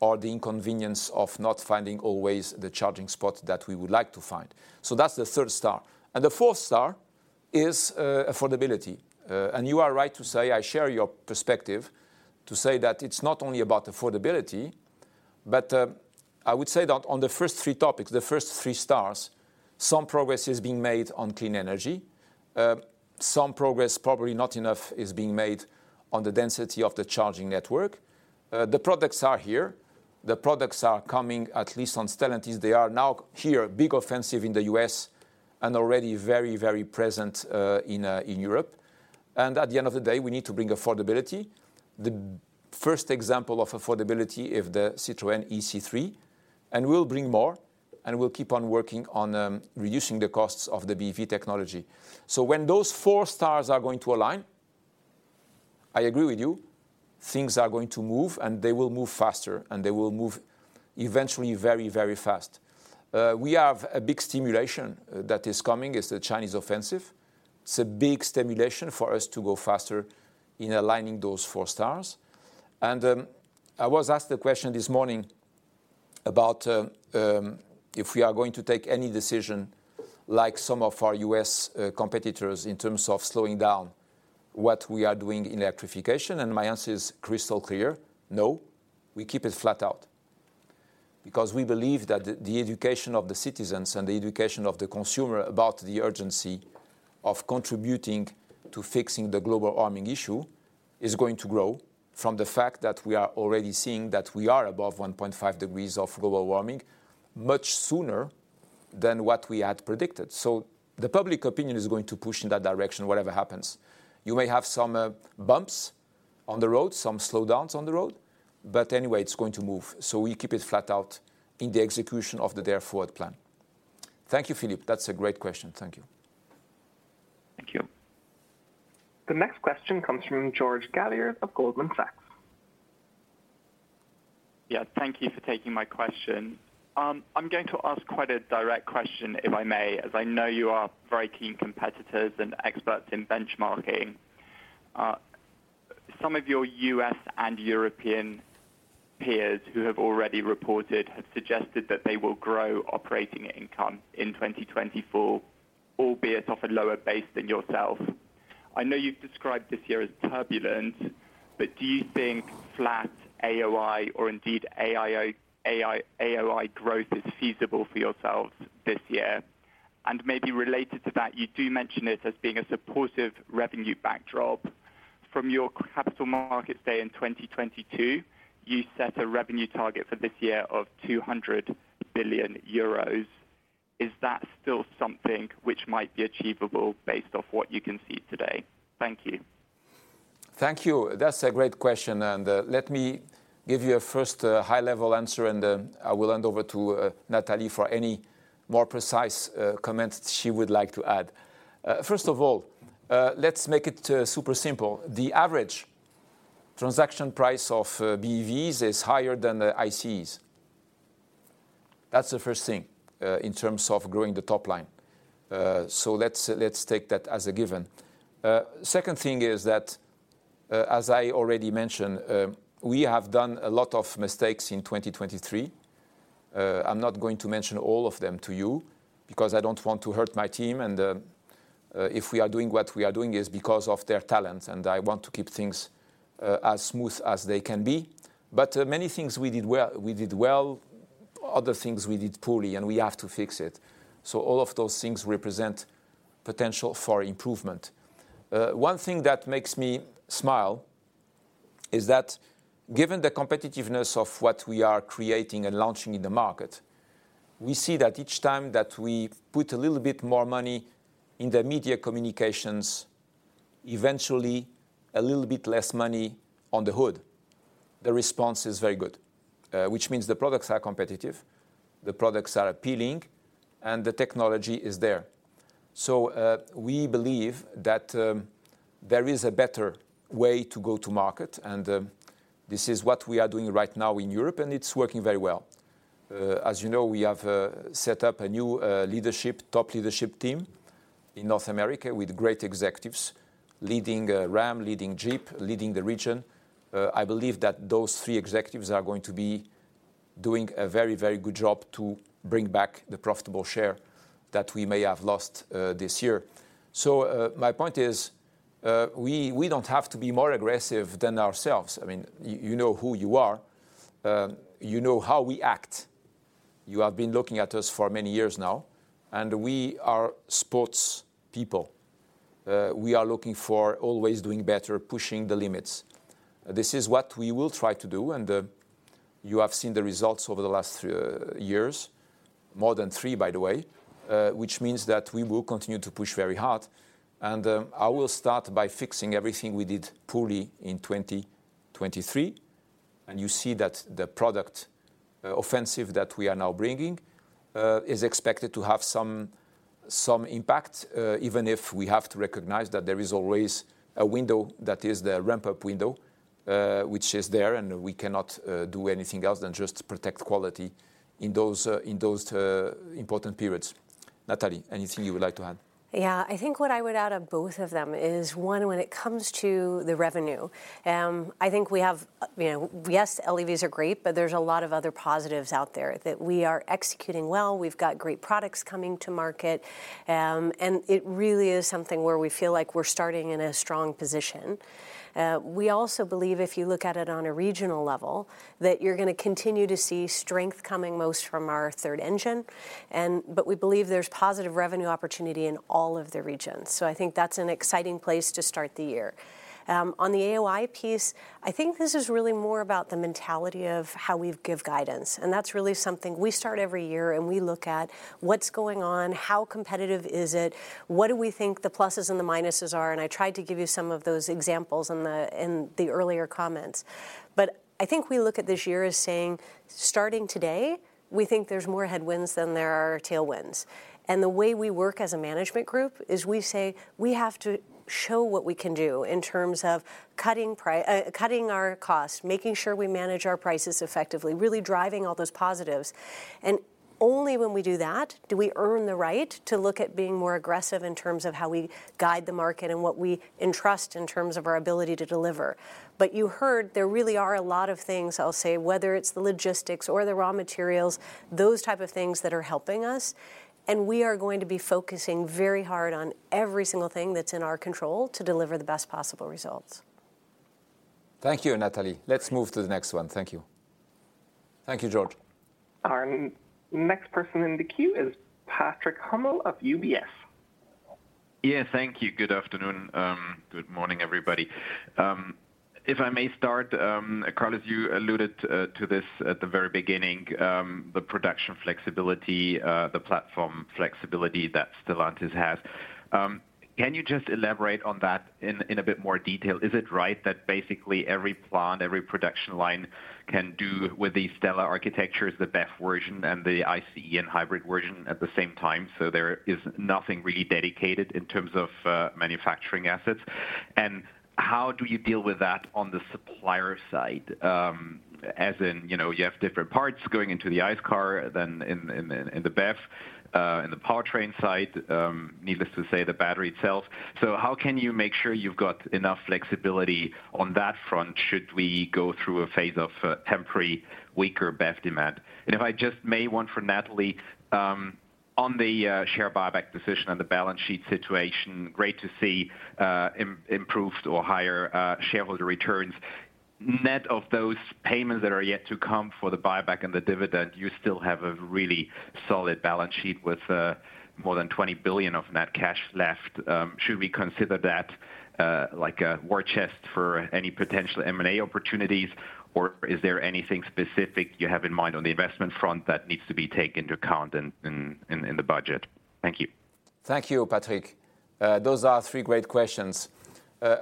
or the inconvenience of not finding always the charging spot that we would like to find. That's the third star. The fourth star is affordability. And you are right to say, I share your perspective, to say that it's not only about affordability, but I would say that on the first three topics, the first three stars, some progress is being made on clean energy. Some progress, probably not enough, is being made on the density of the charging network. The products are here. The products are coming, at least on Stellantis. They are now here, big offensive in the U.S. and already very, very present in Europe. And at the end of the day, we need to bring affordability. The first example of affordability is the Citroën ë-C3, and we'll bring more, and we'll keep on working on reducing the costs of the BEV technology. So when those four stars are going to align, I agree with you, things are going to move, and they will move faster, and they will move eventually very, very fast. We have a big stimulus that is coming, is the Chinese offensive. It's a big stimulus for us to go faster in aligning those four stars. And I was asked a question this morning about if we are going to take any decision, like some of our U.S. competitors in terms of slowing down what we are doing in electrification, and my answer is crystal clear: No, we keep it flat out. Because we believe that the education of the citizens and the education of the consumer about the urgency of contributing to fixing the global warming issue is going to grow from the fact that we are already seeing that we are above 1.5 degrees of global warming, much sooner than what we had predicted. So the public opinion is going to push in that direction, whatever happens. You may have some bumps on the road, some slowdowns on the road, but anyway, it's going to move, so we keep it flat out in the execution of the Dare Forward plan. Thank you, Philippe. That's a great question. Thank you. Thank you. The next question comes from George Galliers of Goldman Sachs. Yeah, thank you for taking my question. I'm going to ask quite a direct question, if I may, as I know you are very keen competitors and experts in benchmarking. Some of your U.S. and European peers who have already reported have suggested that they will grow operating income in 2024, albeit off a lower base than yourself. I know you've described this year as turbulent, but do you think flat AOI or indeed AOI growth is feasible for yourselves this year? And maybe related to that, you do mention it as being a supportive revenue backdrop. From your Capital Markets Day in 2022, you set a revenue target for this year of 200 billion euros. Is that still something which might be achievable based off what you can see today? Thank you. Thank you. That's a great question, and, let me give you a first, high-level answer, and, I will hand over to, Natalie for any more precise, comments she would like to add. First of all, let's make it, super simple. The average transaction price of, BEVs is higher than the ICEs. That's the first thing, in terms of growing the top line. So let's, let's take that as a given. Second thing is that, as I already mentioned, we have done a lot of mistakes in 2023. I'm not going to mention all of them to you because I don't want to hurt my team, and, if we are doing what we are doing, it's because of their talent, and I want to keep things, as smooth as they can be. Many things we did well, we did well, other things we did poorly, and we have to fix it. All of those things represent potential for improvement. One thing that makes me smile is that given the competitiveness of what we are creating and launching in the market, we see that each time that we put a little bit more money in the media communications, eventually a little bit less money on the hood. The response is very good, which means the products are competitive, the products are appealing, and the technology is there. We believe that there is a better way to go to market, and this is what we are doing right now in Europe, and it's working very well. As you know, we have set up a new leadership top leadership team in North America with great executives leading Ram, leading Jeep, leading the region. I believe that those three executives are going to be doing a very, very good job to bring back the profitable share that we may have lost this year. So, my point is, we don't have to be more aggressive than ourselves. I mean, you know who you are. You know how we act. You have been looking at us for many years now, and we are sports people. We are looking for always doing better, pushing the limits. This is what we will try to do, and you have seen the results over the last years, more than three, by the way, which means that we will continue to push very hard. And I will start by fixing everything we did poorly in 2023, and you see that the product offensive that we are now bringing is expected to have some, some impact, even if we have to recognize that there is always a window that is the ramp-up window, which is there, and we cannot do anything else than just protect quality in those important periods. Natalie, anything you would like to add? Yeah, I think what I would add on both of them is, one, when it comes to the revenue, I think we have, you know... Yes, LEVs are great, but there's a lot of other positives out there, that we are executing well, we've got great products coming to market, and it really is something where we feel like we're starting in a strong position. We also believe, if you look at it on a regional level, that you're gonna continue to see strength coming most from our Third Engine. we believe there's positive revenue opportunity in all of the regions. So I think that's an exciting place to start the year. On the AOI piece, I think this is really more about the mentality of how we give guidance, and that's really something we start every year, and we look at what's going on, how competitive is it? What do we think the pluses and the minuses are? And I tried to give you some of those examples in the earlier comments. I think we look at this year as saying, starting today, we think there's more headwinds than there are tailwinds. And the way we work as a management group is we say, we have to show what we can do in terms of cutting our costs, making sure we manage our prices effectively, really driving all those positives. And only when we do that, do we earn the right to look at being more aggressive in terms of how we guide the market and what we entrust in terms of our ability to deliver. But you heard there really are a lot of things, I'll say, whether it's the logistics or the raw materials, those type of things that are helping us, and we are going to be focusing very hard on every single thing that's in our control to deliver the best possible results. Thank you, Natalie. Let's move to the next one. Thank you. Thank you, George. Our next person in the queue is Patrick Hummel of UBS. Yeah, thank you. Good afternoon. Good morning, everybody. If I may start, Carlos, you alluded to this at the very beginning, the production flexibility, the platform flexibility that Stellantis has. Can you just elaborate on that in a bit more detail? Is it right that basically every plant, every production line can do with the STLA architecture, the BEV version, and the ICE and hybrid version at the same time, so there is nothing really dedicated in terms of manufacturing assets? And how do you deal with that on the supplier side? As in, you know, you have different parts going into the ICE car than in the BEV, in the powertrain side, needless to say, the battery itself. So how can you make sure you've got enough flexibility on that front, should we go through a phase of temporary weaker BEV demand? And if I just may, one for Natalie, on the share buyback decision and the balance sheet situation, great to see improved or higher shareholder returns. Net of those payments that are yet to come for the buyback and the dividend, you still have a really solid balance sheet with more than 20 billion of net cash left. Should we consider that like a war chest for any potential M&A opportunities, or is there anything specific you have in mind on the investment front that needs to be taken into account in the budget? Thank you. Thank you, Patrick. Those are three great questions.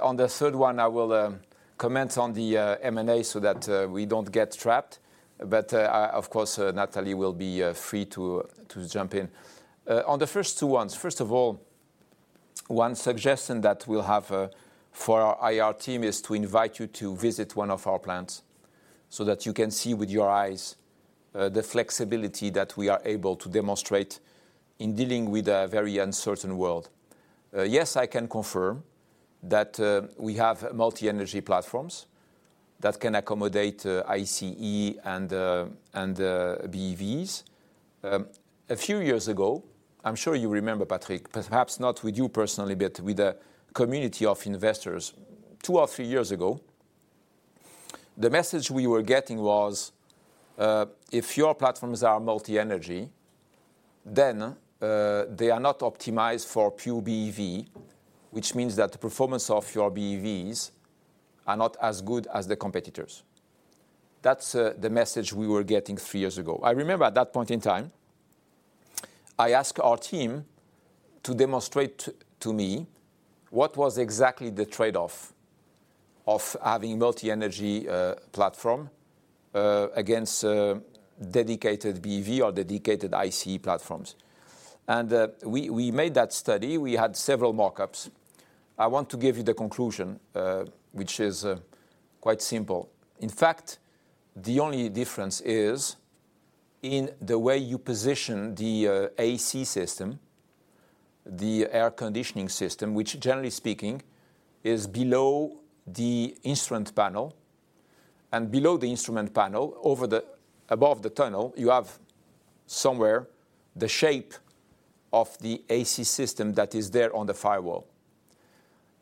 On the third one, I will comment on the M&A so that we don't get trapped. But of course, Natalie will be free to jump in. On the first two ones, first of all, one suggestion that we'll have for our IR team is to invite you to visit one of our plants so that you can see with your eyes the flexibility that we are able to demonstrate in dealing with a very uncertain world. Yes, I can confirm that we have multi-energy platforms that can accommodate ICE and BEVs. A few years ago, I'm sure you remember, Patrick, perhaps not with you personally, but with a community of investors. Two or three years ago, the message we were getting was, if your platforms are multi-energy, then they are not optimized for pure BEV, which means that the performance of your BEVs are not as good as the competitors. That's the message we were getting three years ago. I remember at that point in time, I asked our team to demonstrate to me what was exactly the trade-off of having multi-energy platform against a dedicated BEV or dedicated ICE platforms. We made that study. We had several mock-ups. I want to give you the conclusion, which is quite simple. In fact, the only difference is in the way you position the AC system, the air conditioning system, which, generally speaking, is below the instrument panel, and below the instrument panel, above the tunnel, you have somewhere the shape of the AC system that is there on the firewall.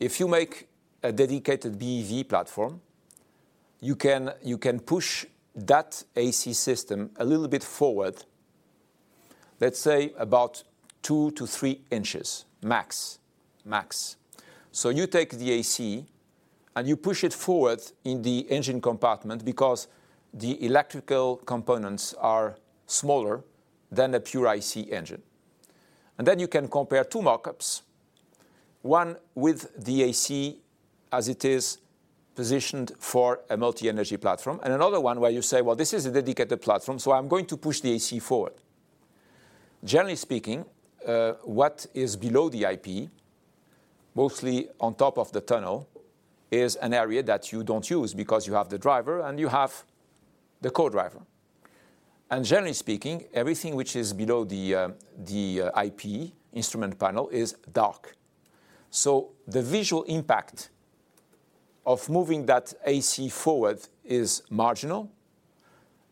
If you make a dedicated BEV platform, you can push that AC system a little bit forward, let's say about 2-3 inches, max. Max. So you take the AC, and you push it forward in the engine compartment because the electrical components are smaller than a pure ICE engine. And then you can compare two mock-ups, one with the AC as it is positioned for a multi-energy platform, and another one where you say, "Well, this is a dedicated platform, so I'm going to push the AC forward." Generally speaking, what is below the IP, mostly on top of the tunnel, is an area that you don't use because you have the driver and you have the co-driver. And generally speaking, everything which is below the IP, instrument panel, is dark. So the visual impact of moving that AC forward is marginal,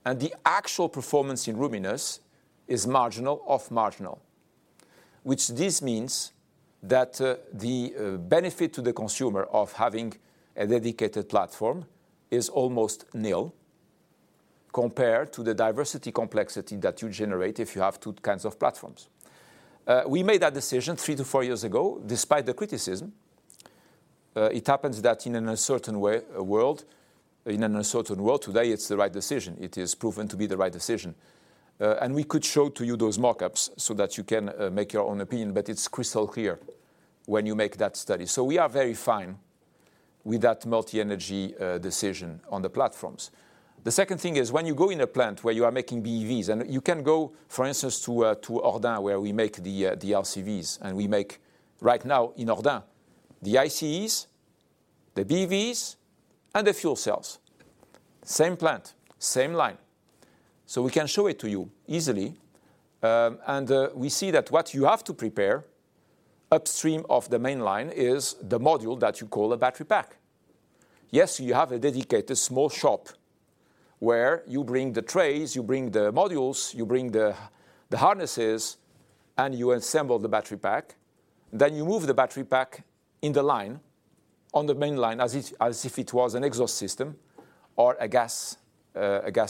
and the actual performance in roominess is marginal of marginal... which this means that, the benefit to the consumer of having a dedicated platform is almost nil compared to the diversity complexity that you generate if you have two kinds of platforms. We made that decision 3-4 years ago, despite the criticism. It happens that in an uncertain way, world, in an uncertain world, today, it's the right decision. It is proven to be the right decision. And we could show to you those mock-ups so that you can, make your own opinion, but it's crystal clear when you make that study. So we are very fine with that multi-energy, decision on the platforms. The second thing is, when you go in a plant where you are making BEVs, and you can go, for instance, to, to Hordain, where we make the, the LCVs, and we make right now in Hordain, the ICEs, the BEVs, and the fuel cells. Same plant, same line. So we can show it to you easily. We see that what you have to prepare upstream of the main line is the module that you call a battery pack. Yes, you have a dedicated small shop where you bring the trays, you bring the modules, you bring the harnesses, and you assemble the battery pack. Then you move the battery pack in the line, on the main line, as if it was an exhaust system or a gas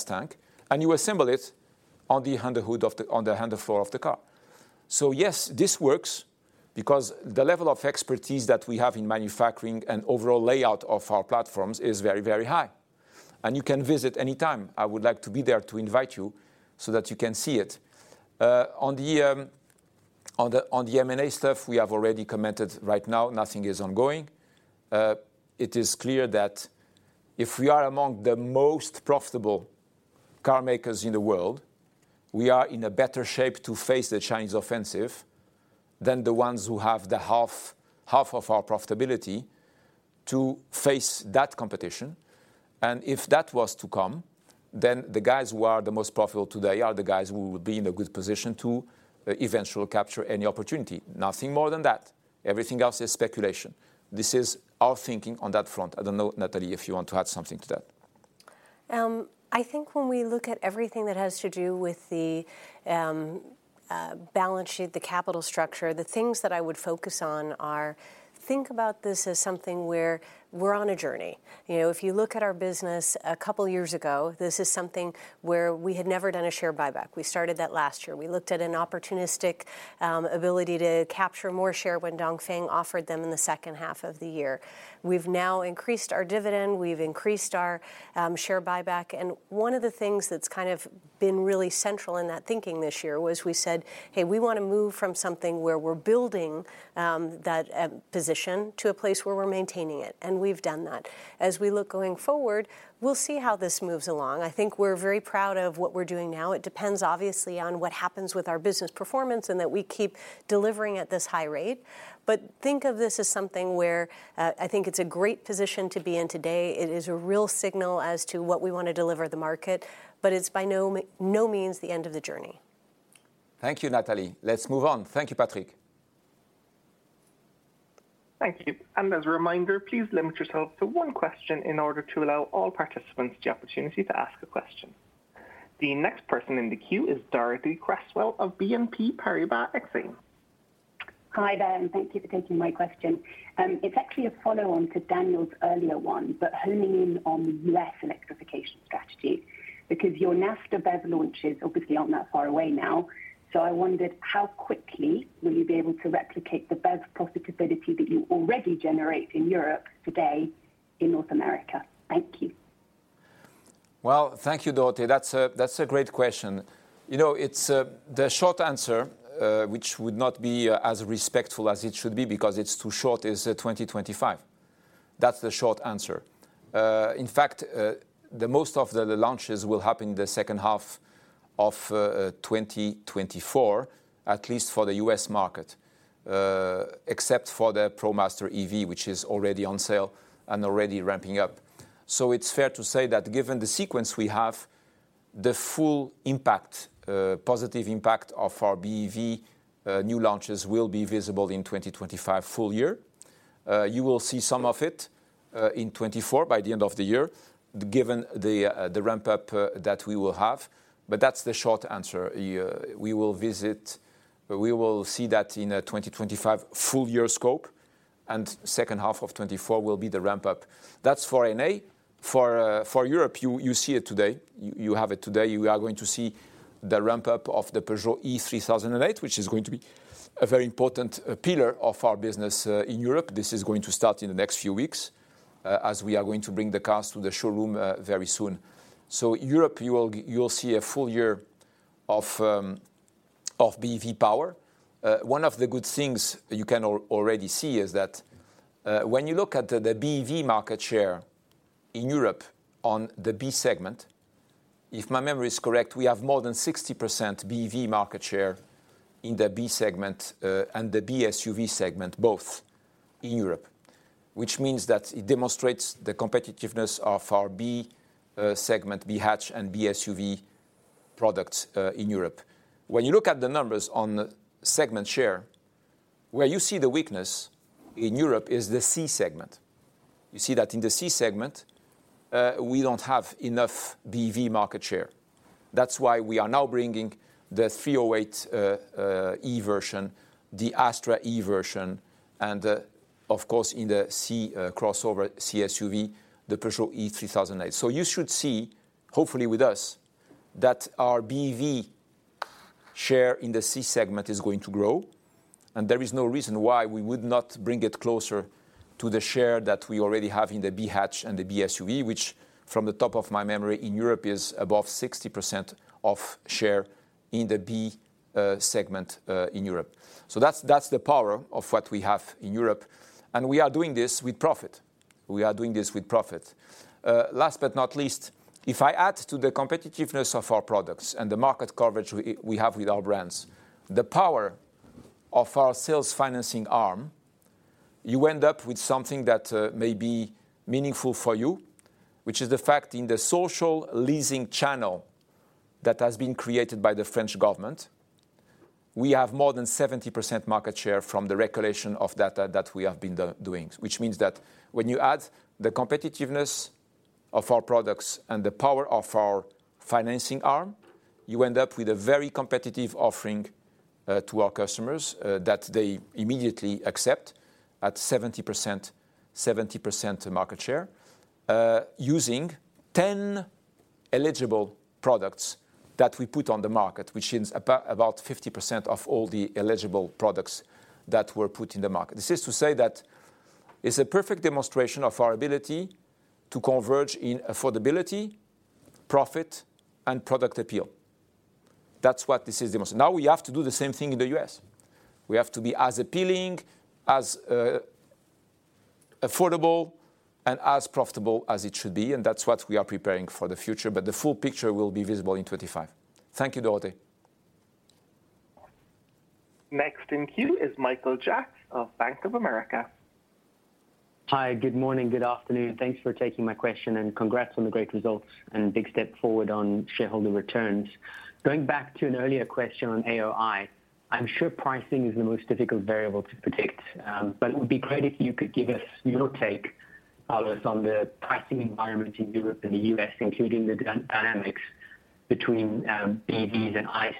tank, and you assemble it on the under hood of the... on the under floor of the car. So yes, this works because the level of expertise that we have in manufacturing and overall layout of our platforms is very, very high, and you can visit anytime. I would like to be there to invite you so that you can see it. On the M&A stuff, we have already commented. Right now, nothing is ongoing. It is clear that if we are among the most profitable car makers in the world, we are in a better shape to face the Chinese offensive than the ones who have half of our profitability to face that competition. And if that was to come, then the guys who are the most profitable today are the guys who will be in a good position to eventually capture any opportunity. Nothing more than that. Everything else is speculation. This is our thinking on that front. I don't know, Natalie, if you want to add something to that. I think when we look at everything that has to do with the balance sheet, the capital structure, the things that I would focus on are, think about this as something where we're on a journey. You know, if you look at our business a couple of years ago, this is something where we had never done a share buyback. We started that last year. We looked at an opportunistic ability to capture more share when Dongfeng offered them in the second half of the year. We've now increased our dividend, we've increased our share buyback, and one of the things that's kind of been really central in that thinking this year was we said, "Hey, we want to move from something where we're building that position to a place where we're maintaining it," and we've done that. As we look going forward, we'll see how this moves along. I think we're very proud of what we're doing now. It depends, obviously, on what happens with our business performance and that we keep delivering at this high rate. But think of this as something where, I think it's a great position to be in today. It is a real signal as to what we want to deliver the market, but it's by no means the end of the journey. Thank you, Natalie. Let's move on. Thank you, Patrick. Thank you. As a reminder, please limit yourself to one question in order to allow all participants the opportunity to ask a question. The next person in the queue is Dorothee Cresswell of BNP Paribas Exane. Hi there, and thank you for taking my question. It's actually a follow-on to Daniel's earlier one, but honing in on the U.S. electrification strategy, because your NAFTA BEV launch is obviously not that far away now. So I wondered, how quickly will you be able to replicate the BEV profitability that you already generate in Europe today in North America? Thank you. Well, thank you, Dorothee. That's a great question. You know, it's the short answer, which would not be as respectful as it should be because it's too short, is 2025. That's the short answer. In fact, the most of the launches will happen in the second half of 2024, at least for the U.S. market, except for the ProMaster EV, which is already on sale and already ramping up. So it's fair to say that given the sequence we have, the full impact, positive impact of our BEV new launches will be visible in 2025 full year. You will see some of it in 2024 by the end of the year, given the ramp-up that we will have. But that's the short answer. We will see that in 2025 full year scope, and second half of 2024 will be the ramp-up. That's for N.A. For Europe, you see it today. You have it today. You are going to see the ramp-up of the Peugeot e-3008, which is going to be a very important pillar of our business in Europe. This is going to start in the next few weeks, as we are going to bring the cars to the showroom very soon. So Europe, you will see a full year of BEV power. One of the good things you can already see is that, when you look at the BEV market share in Europe on the B segment, if my memory is correct, we have more than 60% BEV market share in the B segment, and the B-SUV segment, both in Europe, which means that it demonstrates the competitiveness of our B segment, B hatch, and B-SUV products, in Europe. When you look at the numbers on the segment share, where you see the weakness in Europe is the C segment. You see that in the C segment, we don't have enough BEV market share. That's why we are now bringing the 308 E version, the Astra E version, and, of course, in the C crossover, C-SUV, the Peugeot e-3008. So you should see, hopefully with us, that our BEV share in the C segment is going to grow, and there is no reason why we would not bring it closer to the share that we already have in the B hatch and the B-SUV, which from the top of my memory in Europe, is above 60% share in the B segment in Europe. So that's, that's the power of what we have in Europe, and we are doing this with profit. We are doing this with profit. Last but not least, if I add to the competitiveness of our products and the market coverage we have with our brands, the power of our sales financing arm, you end up with something that may be meaningful for you, which is the fact in the social leasing channel that has been created by the French government, we have more than 70% market share from the regulation of data that we have been doing. Which means that when you add the competitiveness of our products and the power of our financing arm, you end up with a very competitive offering to our customers that they immediately accept at 70%, 70% market share, using 10 eligible products that we put on the market, which is about 50% of all the eligible products that were put in the market. This is to say that it's a perfect demonstration of our ability to converge in affordability, profit, and product appeal. That's what this is. Now we have to do the same thing in the U.S.. We have to be as appealing, as affordable, and as profitable as it should be, and that's what we are preparing for the future, but the full picture will be visible in 2025. Thank you, Dorothee. Next in queue is Michael Jacks of Bank of America. Hi, good morning, good afternoon. Thanks for taking my question, and congrats on the great results and big step forward on shareholder returns. Going back to an earlier question on AOI, I'm sure pricing is the most difficult variable to predict, but it would be great if you could give us your take, Carlos, on the pricing environment in Europe and the U.S., including the dynamics between BEVs and ICE.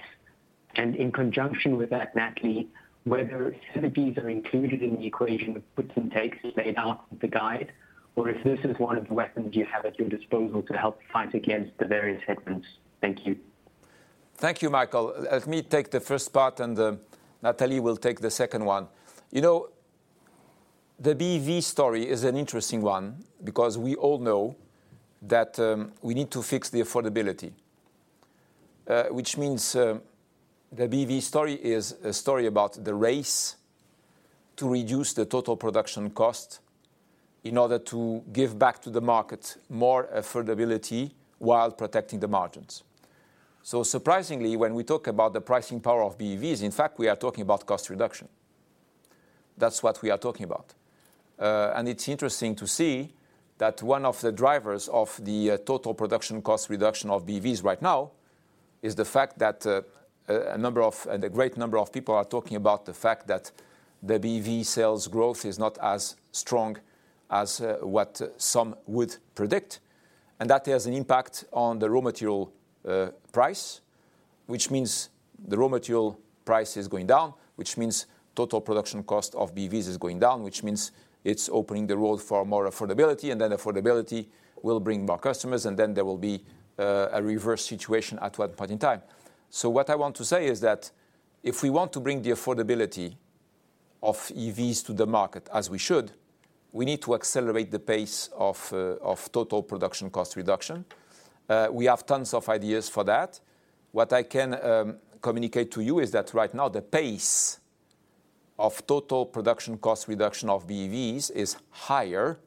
And in conjunction with that, Natalie, whether ZEVs are included in the equation of puts and takes laid out the guide, or if this is one of the weapons you have at your disposal to help fight against the various headwinds. Thank you. Thank you, Michael. Let me take the first part, and, Natalie will take the second one. You know, the BEV story is an interesting one because we all know that, we need to fix the affordability, which means, the BEV story is a story about the race to reduce the total production cost in order to give back to the market more affordability while protecting the margins. So surprisingly, when we talk about the pricing power of BEVs, in fact, we are talking about cost reduction. That's what we are talking about. And it's interesting to see that one of the drivers of the, total production cost reduction of BEVs right now is the fact that, a number of... And a great number of people are talking about the fact that the BEV sales growth is not as strong as what some would predict, and that has an impact on the raw material price, which means the raw material price is going down, which means total production cost of BEVs is going down, which means it's opening the road for more affordability, and then affordability will bring more customers, and then there will be a reverse situation at what point in time. So what I want to say is that if we want to bring the affordability of EVs to the market, as we should, we need to accelerate the pace of total production cost reduction. We have tons of ideas for that. What I can communicate to you is that right now, the pace of total production cost reduction of BEVs is higher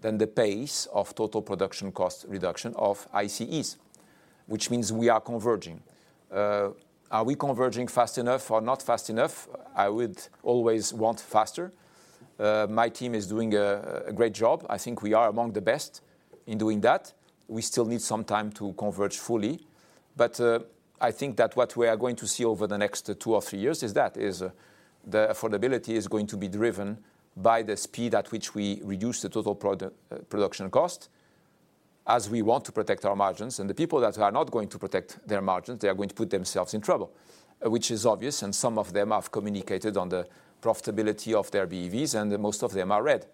than the pace of total production cost reduction of ICEs, which means we are converging. Are we converging fast enough or not fast enough? I would always want faster. My team is doing a great job. I think we are among the best in doing that. We still need some time to converge fully, but I think that what we are going to see over the next two or three years is that the affordability is going to be driven by the speed at which we reduce the total production cost, as we want to protect our margins. The people that are not going to protect their margins, they are going to put themselves in trouble, which is obvious, and some of them have communicated on the profitability of their BEVs, and most of them are red.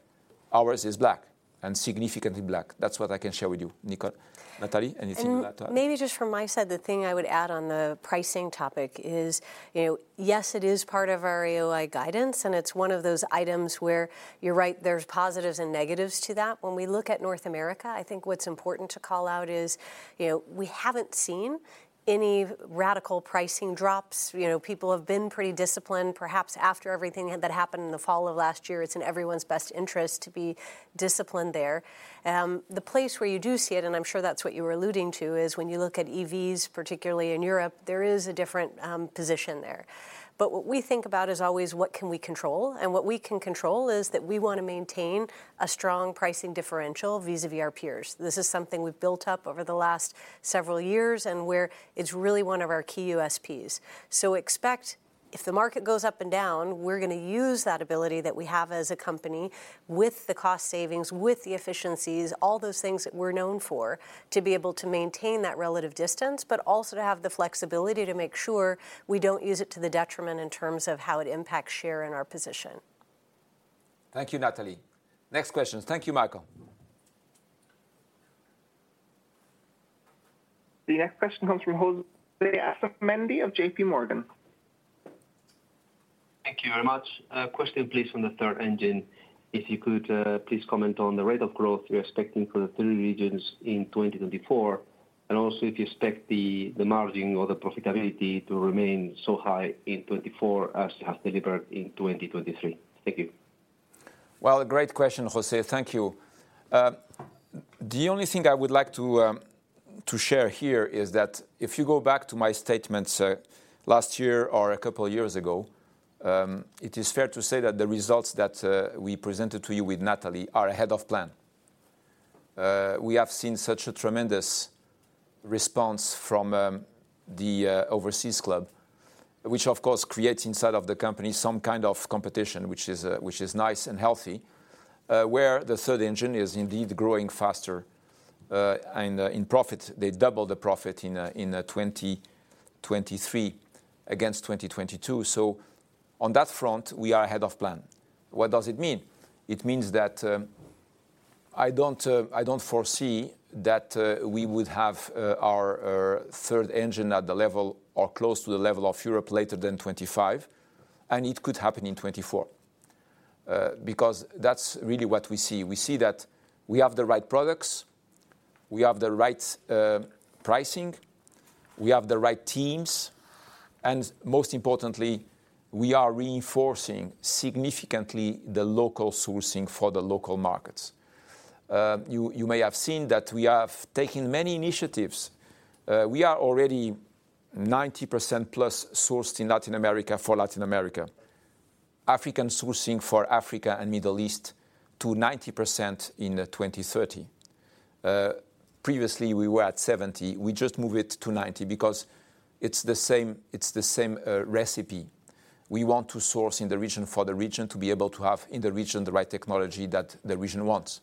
Ours is black, and significantly black. That's what I can share with you, Michael. Natalie, anything you'd like to add? And maybe just from my side, the thing I would add on the pricing topic is, you know, yes, it is part of our AOI guidance, and it's one of those items where you're right, there's positives and negatives to that. When we look at North America, I think what's important to call out is, you know, we haven't seen any radical pricing drops. You know, people have been pretty disciplined. Perhaps after everything that happened in the fall of last year, it's in everyone's best interest to be disciplined there. The place where you do see it, and I'm sure that's what you were alluding to, is when you look at EVs, particularly in Europe, there is a different position there. But what we think about is always what can we control? What we can control is that we want to maintain a strong pricing differential vis-à-vis our peers. This is something we've built up over the last several years and where it's really one of our key USPs. So, if the market goes up and down, we're gonna use that ability that we have as a company, with the cost savings, with the efficiencies, all those things that we're known for, to be able to maintain that relative distance, but also to have the flexibility to make sure we don't use it to the detriment in terms of how it impacts share in our position. Thank you, Natalie. Next questions. Thank you, Michael. The next question comes from José Asumendi of J.P. Morgan. Thank you very much. Question, please, on the Third Engine. If you could, please comment on the rate of growth you're expecting for the three regions in 2024, and also if you expect the margin or the profitability to remain so high in 2024 as you have delivered in 2023? Thank you. Well, a great question, José. Thank you. The only thing I would like to share here is that if you go back to my statements last year or a couple of years ago, it is fair to say that the results that we presented to you with Natalie are ahead of plan. We have seen such a tremendous response from the Overseas Club, which of course creates inside of the company some kind of competition, which is nice and healthy, where the Third Engine is indeed growing faster. And in profit, they double the profit in 2023 against 2022. So on that front, we are ahead of plan. What does it mean? It means that, I don't foresee that we would have our Third Engine at the level or close to the level of Europe later than 2025, and it could happen in 2024. Because that's really what we see. We see that we have the right products, we have the right pricing, we have the right teams, and most importantly, we are reinforcing significantly the local sourcing for the local markets. You may have seen that we have taken many initiatives. We are already 90%+ sourced in Latin America for Latin America. African sourcing for Africa and Middle East to 90% in 2030. Previously we were at 70%. We just moved it to 90% because it's the same recipe. We want to source in the region for the region to be able to have in the region the right technology that the region wants.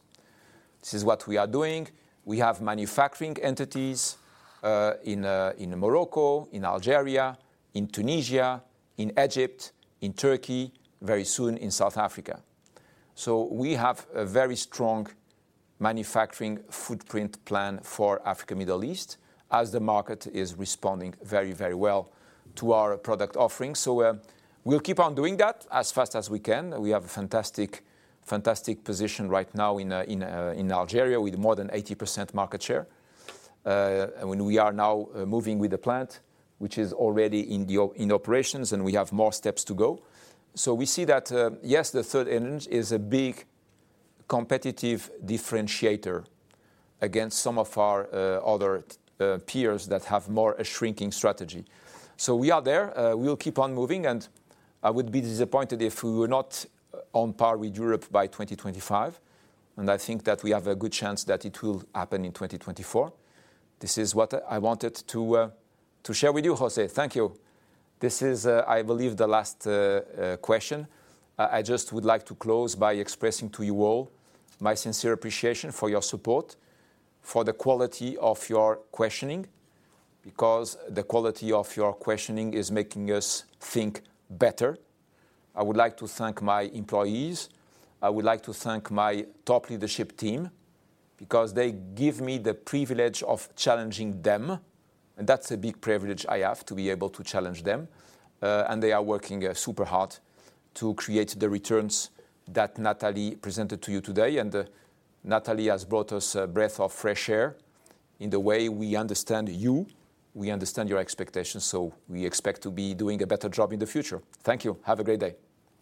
This is what we are doing. We have manufacturing entities in Morocco, in Algeria, in Tunisia, in Egypt, in Turkey, very soon in South Africa. So we have a very strong manufacturing footprint plan for Africa, Middle East, as the market is responding very, very well to our product offerings. So we'll keep on doing that as fast as we can. We have a fantastic, fantastic position right now in Algeria, with more than 80% market share. And we are now moving with the plant, which is already in operations, and we have more steps to go. So we see that, yes, the Third Engine is a big competitive differentiator against some of our other peers that have more a shrinking strategy. So we are there. We will keep on moving, and I would be disappointed if we were not on par with Europe by 2025, and I think that we have a good chance that it will happen in 2024. This is what I wanted to share with you, José. Thank you. This is, I believe, the last question. I just would like to close by expressing to you all my sincere appreciation for your support, for the quality of your questioning, because the quality of your questioning is making us think better. I would like to thank my employees. I would like to thank my top leadership team, because they give me the privilege of challenging them, and that's a big privilege I have, to be able to challenge them. They are working super hard to create the returns that Natalie presented to you today. Natalie has brought us a breath of fresh air in the way we understand you. We understand your expectations, so we expect to be doing a better job in the future. Thank you. Have a great day.